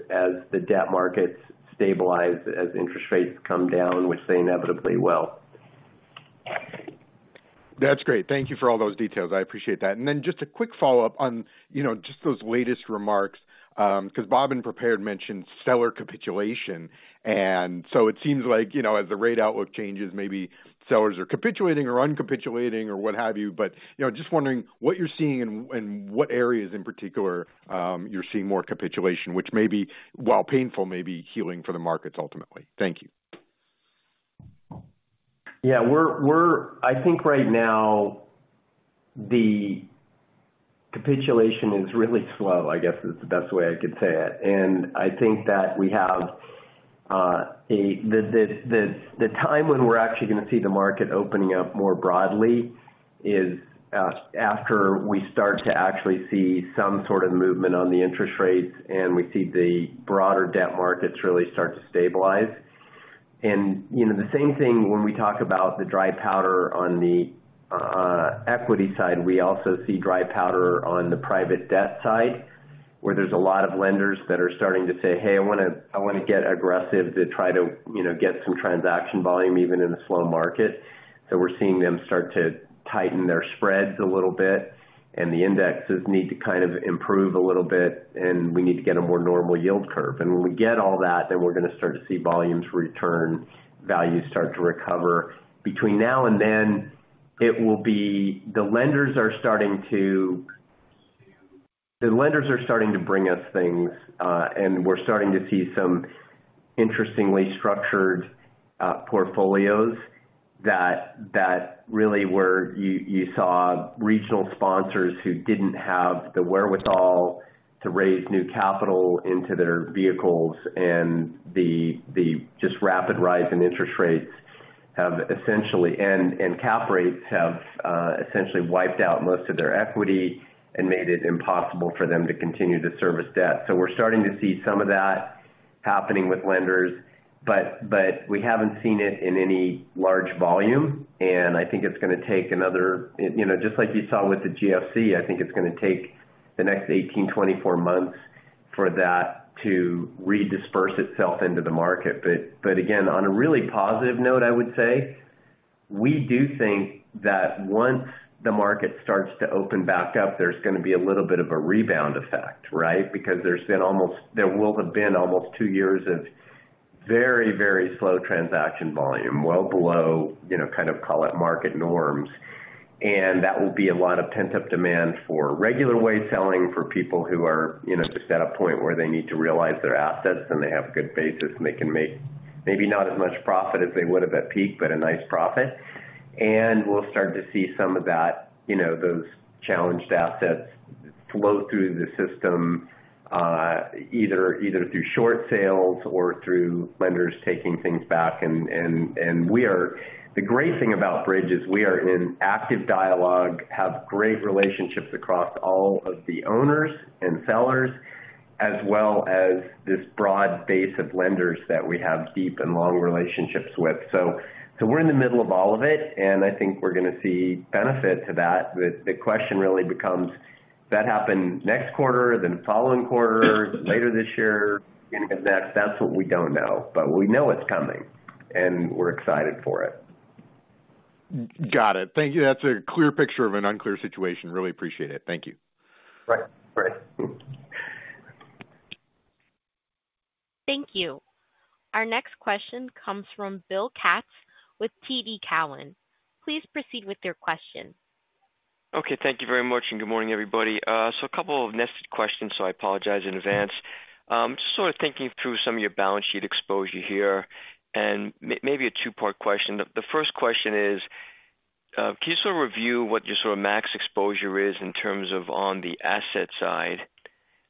Speaker 4: as the debt markets stabilize, as interest rates come down, which they inevitably will.
Speaker 9: That's great. Thank you for all those details. I appreciate that. And then just a quick follow-up on just those latest remarks because Bob in prepared mentioned seller capitulation. And so it seems like as the rate outlook changes, maybe sellers are capitulating or uncapitulating or what have you. But just wondering what you're seeing and what areas in particular you're seeing more capitulation, which may be, while painful, may be healing for the markets ultimately? Thank you.
Speaker 4: Yeah. I think right now, the capitulation is really slow, I guess, is the best way I could say it. And I think that we have the time when we're actually going to see the market opening up more broadly is after we start to actually see some sort of movement on the interest rates and we see the broader debt markets really start to stabilize. The same thing when we talk about the dry powder on the equity side, we also see dry powder on the private debt side where there's a lot of lenders that are starting to say, "Hey, I want to get aggressive to try to get some transaction volume, even in a slow market." So we're seeing them start to tighten their spreads a little bit. The indexes need to kind of improve a little bit. We need to get a more normal yield curve. And when we get all that, then we're going to start to see volumes return, values start to recover. Between now and then, it will be the lenders are starting to bring us things. We're starting to see some interestingly structured portfolios that really were you saw regional sponsors who didn't have the wherewithal to raise new capital into their vehicles. And the just rapid rise in interest rates have essentially and cap rates have essentially wiped out most of their equity and made it impossible for them to continue to service debt. So we're starting to see some of that happening with lenders. But we haven't seen it in any large volume. And I think it's going to take another just like you saw with the GFC, I think it's going to take the next 18-24 months for that to redisperse itself into the market. But again, on a really positive note, I would say, we do think that once the market starts to open back up, there's going to be a little bit of a rebound effect, right? Because there's been almost, there will have been almost two years of very, very slow transaction volume, well below kind of, call it, market norms. That will be a lot of pent-up demand for regular way selling, for people who are just at a point where they need to realize their assets and they have a good basis and they can make maybe not as much profit as they would have at peak, but a nice profit. We'll start to see some of that, those challenged assets flow through the system, either through short sales or through lenders taking things back. The great thing about Bridge is we are in active dialogue, have great relationships across all of the owners and sellers, as well as this broad base of lenders that we have deep and long relationships with. So we're in the middle of all of it. I think we're going to see benefit to that. The question really becomes, did that happen next quarter, then following quarter, later this year, beginning of next? That's what we don't know. But we know it's coming. And we're excited for it. Got it. Thank you. That's a clear picture of an unclear situation.
Speaker 9: Really appreciate it. Thank you. Right. Right.
Speaker 1: Thank you. Our next question comes from Bill Katz with TD Cowen. Please proceed with your question.
Speaker 10: Okay. Thank you very much. And good morning, everybody. So a couple of nested questions, so I apologize in advance. Just sort of thinking through some of your balance sheet exposure here and maybe a two-part question. The first question is, can you sort of review what your sort of max exposure is in terms of on the asset side?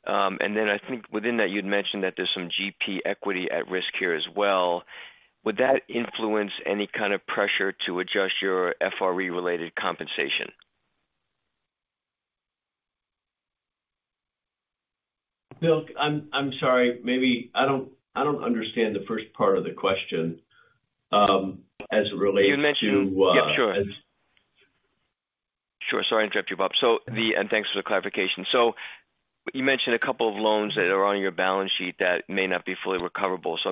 Speaker 10: And then, I think within that, you'd mentioned that there's some GP equity at risk here as well. Would that influence any kind of pressure to adjust your FRE-related compensation? Bill, I'm sorry. I don't understand the first part of the question as it relates to. You'd mentioned. Yep. Sure. Sure. Sorry to interrupt you, Bob. And thanks for the clarification. So you mentioned a couple of loans that are on your balance sheet that may not be fully recoverable. So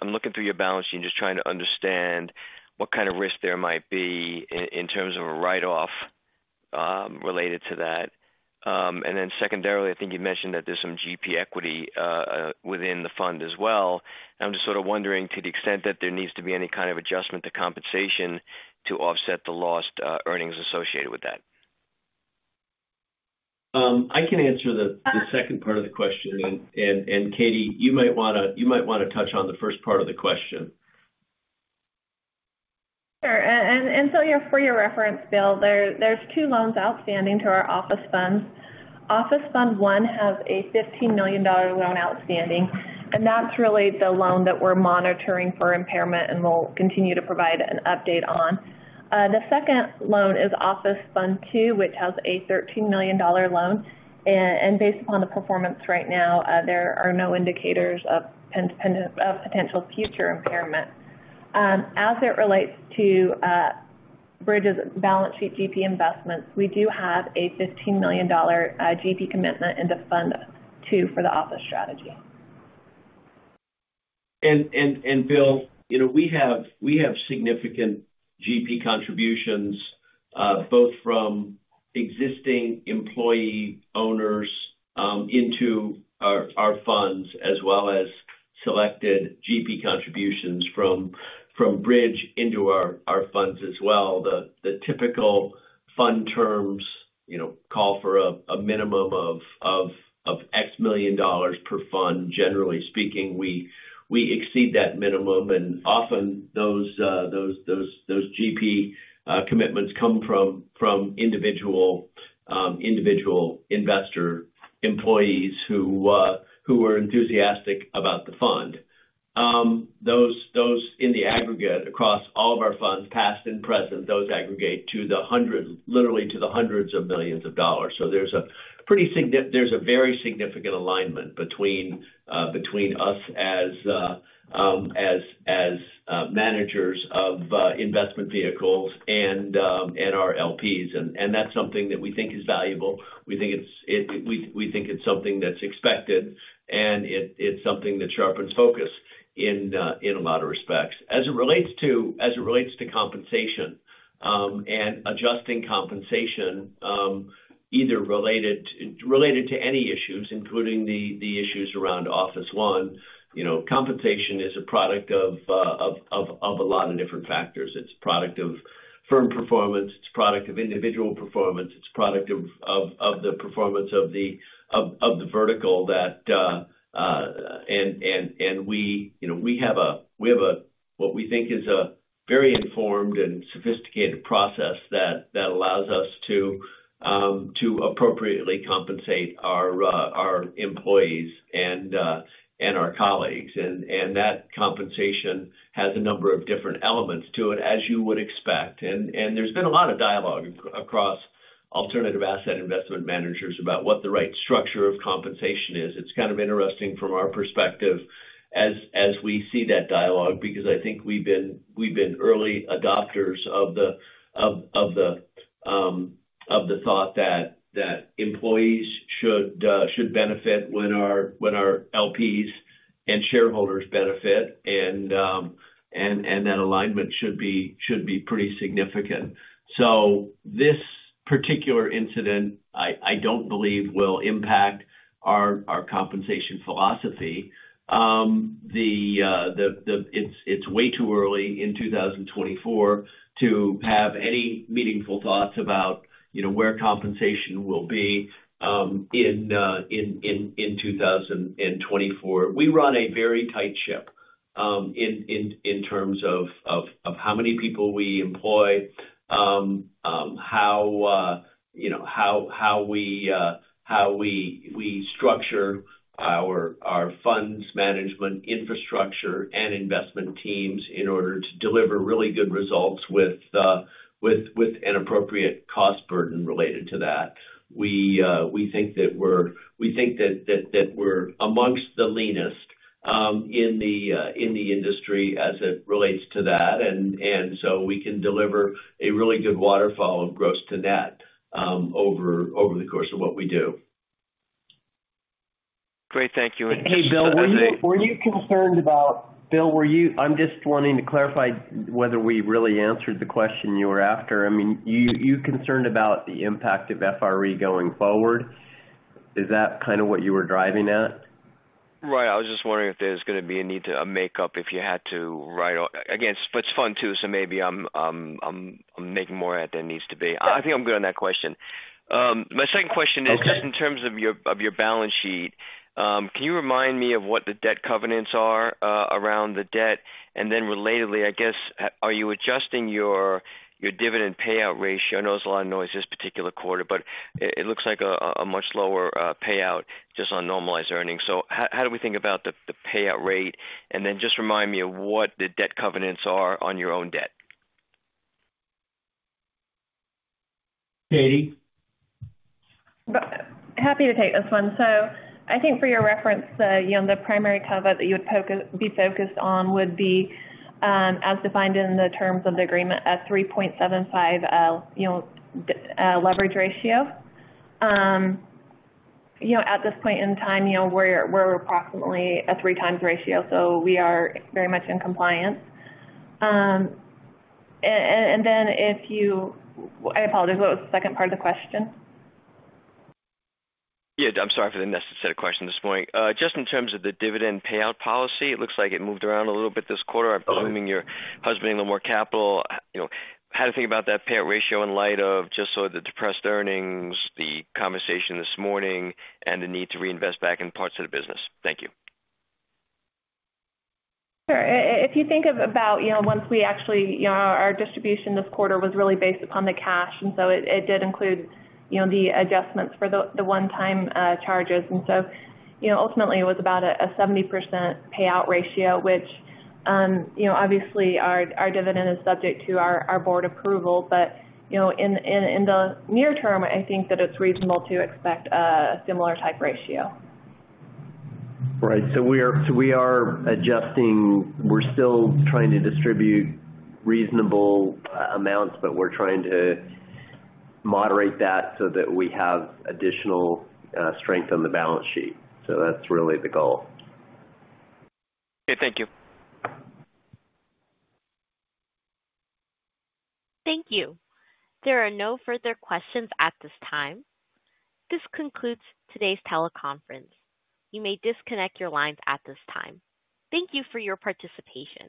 Speaker 10: I'm looking through your balance sheet and just trying to understand what kind of risk there might be in terms of a write-off related to that. And then secondarily, I think you mentioned that there's some GP equity within the fund as well. And I'm just sort of wondering, to the extent that there needs to be any kind of adjustment to compensation to offset the lost earnings associated with that.
Speaker 3: I can answer the second part of the question. And Katherine, you might want to touch on the first part of the question.
Speaker 5: Sure. And so for your reference, Bill, there's two loans outstanding to our office funds. Office fund one has a $15 million loan outstanding. And that's really the loan that we're monitoring for impairment and we'll continue to provide an update on. The second loan is office fund two, which has a $13 million loan. And based upon the performance right now, there are no indicators of potential future impairment. As it relates to Bridge's balance sheet GP investments, we do have a $15 million GP commitment into fund two for the office strategy.
Speaker 3: Bill, we have significant GP contributions both from existing employee owners into our funds as well as selected GP contributions from Bridge into our funds as well. The typical fund terms call for a minimum of $X million per fund, generally speaking. We exceed that minimum. Often, those GP commitments come from individual investor employees who are enthusiastic about the fund. Those in the aggregate across all of our funds, past and present, those aggregate literally to the hundreds of millions of dollars. So there's a very significant alignment between us as managers of investment vehicles and our LPs. That's something that we think is valuable. We think it's something that's expected. It's something that sharpens focus in a lot of respects. As it relates to compensation and adjusting compensation, either related to any issues, including the issues around office one, compensation is a product of a lot of different factors. It's a product of firm performance. It's a product of individual performance. It's a product of the performance of the vertical that we have what we think is a very informed and sophisticated process that allows us to appropriately compensate our employees and our colleagues. And that compensation has a number of different elements to it, as you would expect. And there's been a lot of dialogue across alternative asset investment managers about what the right structure of compensation is. It's kind of interesting from our perspective as we see that dialogue because I think we've been early adopters of the thought that employees should benefit when our LPs and shareholders benefit. That alignment should be pretty significant. So this particular incident, I don't believe, will impact our compensation philosophy. It's way too early in 2024 to have any meaningful thoughts about where compensation will be in 2024. We run a very tight ship in terms of how many people we employ, how we structure our funds management infrastructure and investment teams in order to deliver really good results with an appropriate cost burden related to that. We think that we're amongst the leanest in the industry as it relates to that. And so we can deliver a really good waterfall of gross to net over the course of what we do.
Speaker 10: Great. Thank you.
Speaker 4: And Katherine, Bill, were you concerned about Bill, were you? I'm just wanting to clarify whether we really answered the question you were after.
Speaker 3: I mean, you concerned about the impact of FRE going forward? Is that kind of what you were driving at? Right. I was just wondering if there's going to be a need to make up if you had to write again, but it's fun too.
Speaker 4: So maybe I'm making more of it than needs to be. I think I'm good on that question. My second question is, just in terms of your balance sheet, can you remind me of what the debt covenants are around the debt? And then relatedly, I guess, are you adjusting your dividend payout ratio? I know it's a lot of noise this particular quarter, but it looks like a much lower payout just on normalized earnings. So how do we think about the payout rate? And then just remind me of what the debt covenants are on your own debt. Katherine?
Speaker 5: Happy to take this one. So I think for your reference, the primary covenant that you would be focused on would be, as defined in the terms of the agreement, a 3.75 leverage ratio. At this point in time, we're approximately a 3x ratio. So we are very much in compliance. And then if you, I apologize. What was the second part of the question?
Speaker 10: Yeah. I'm sorry for the nested set of questions at this point. Just in terms of the dividend payout policy, it looks like it moved around a little bit this quarter. I'm assuming you husbanded a little more capital, had to think about that payout ratio in light of just sort of the depressed earnings, the conversation this morning, and the need to reinvest back in parts of the business. Thank you.
Speaker 5: Sure. If you think about once we actually our distribution this quarter was really based upon the cash. And so it did include the adjustments for the one-time charges. And so ultimately, it was about a 70% payout ratio, which obviously our dividend is subject to our board approval. But in the near term, I think that it's reasonable to expect a similar type ratio.
Speaker 4: Right. So we are adjusting. We're still trying to distribute reasonable amounts, but we're trying to moderate that so that we have additional strength on the balance sheet. So that's really the goal.
Speaker 10: Okay. Thank you.
Speaker 1: Thank you. There are no further questions at this time. This concludes today's teleconference. You may disconnect your lines at this time. Thank you for your participation.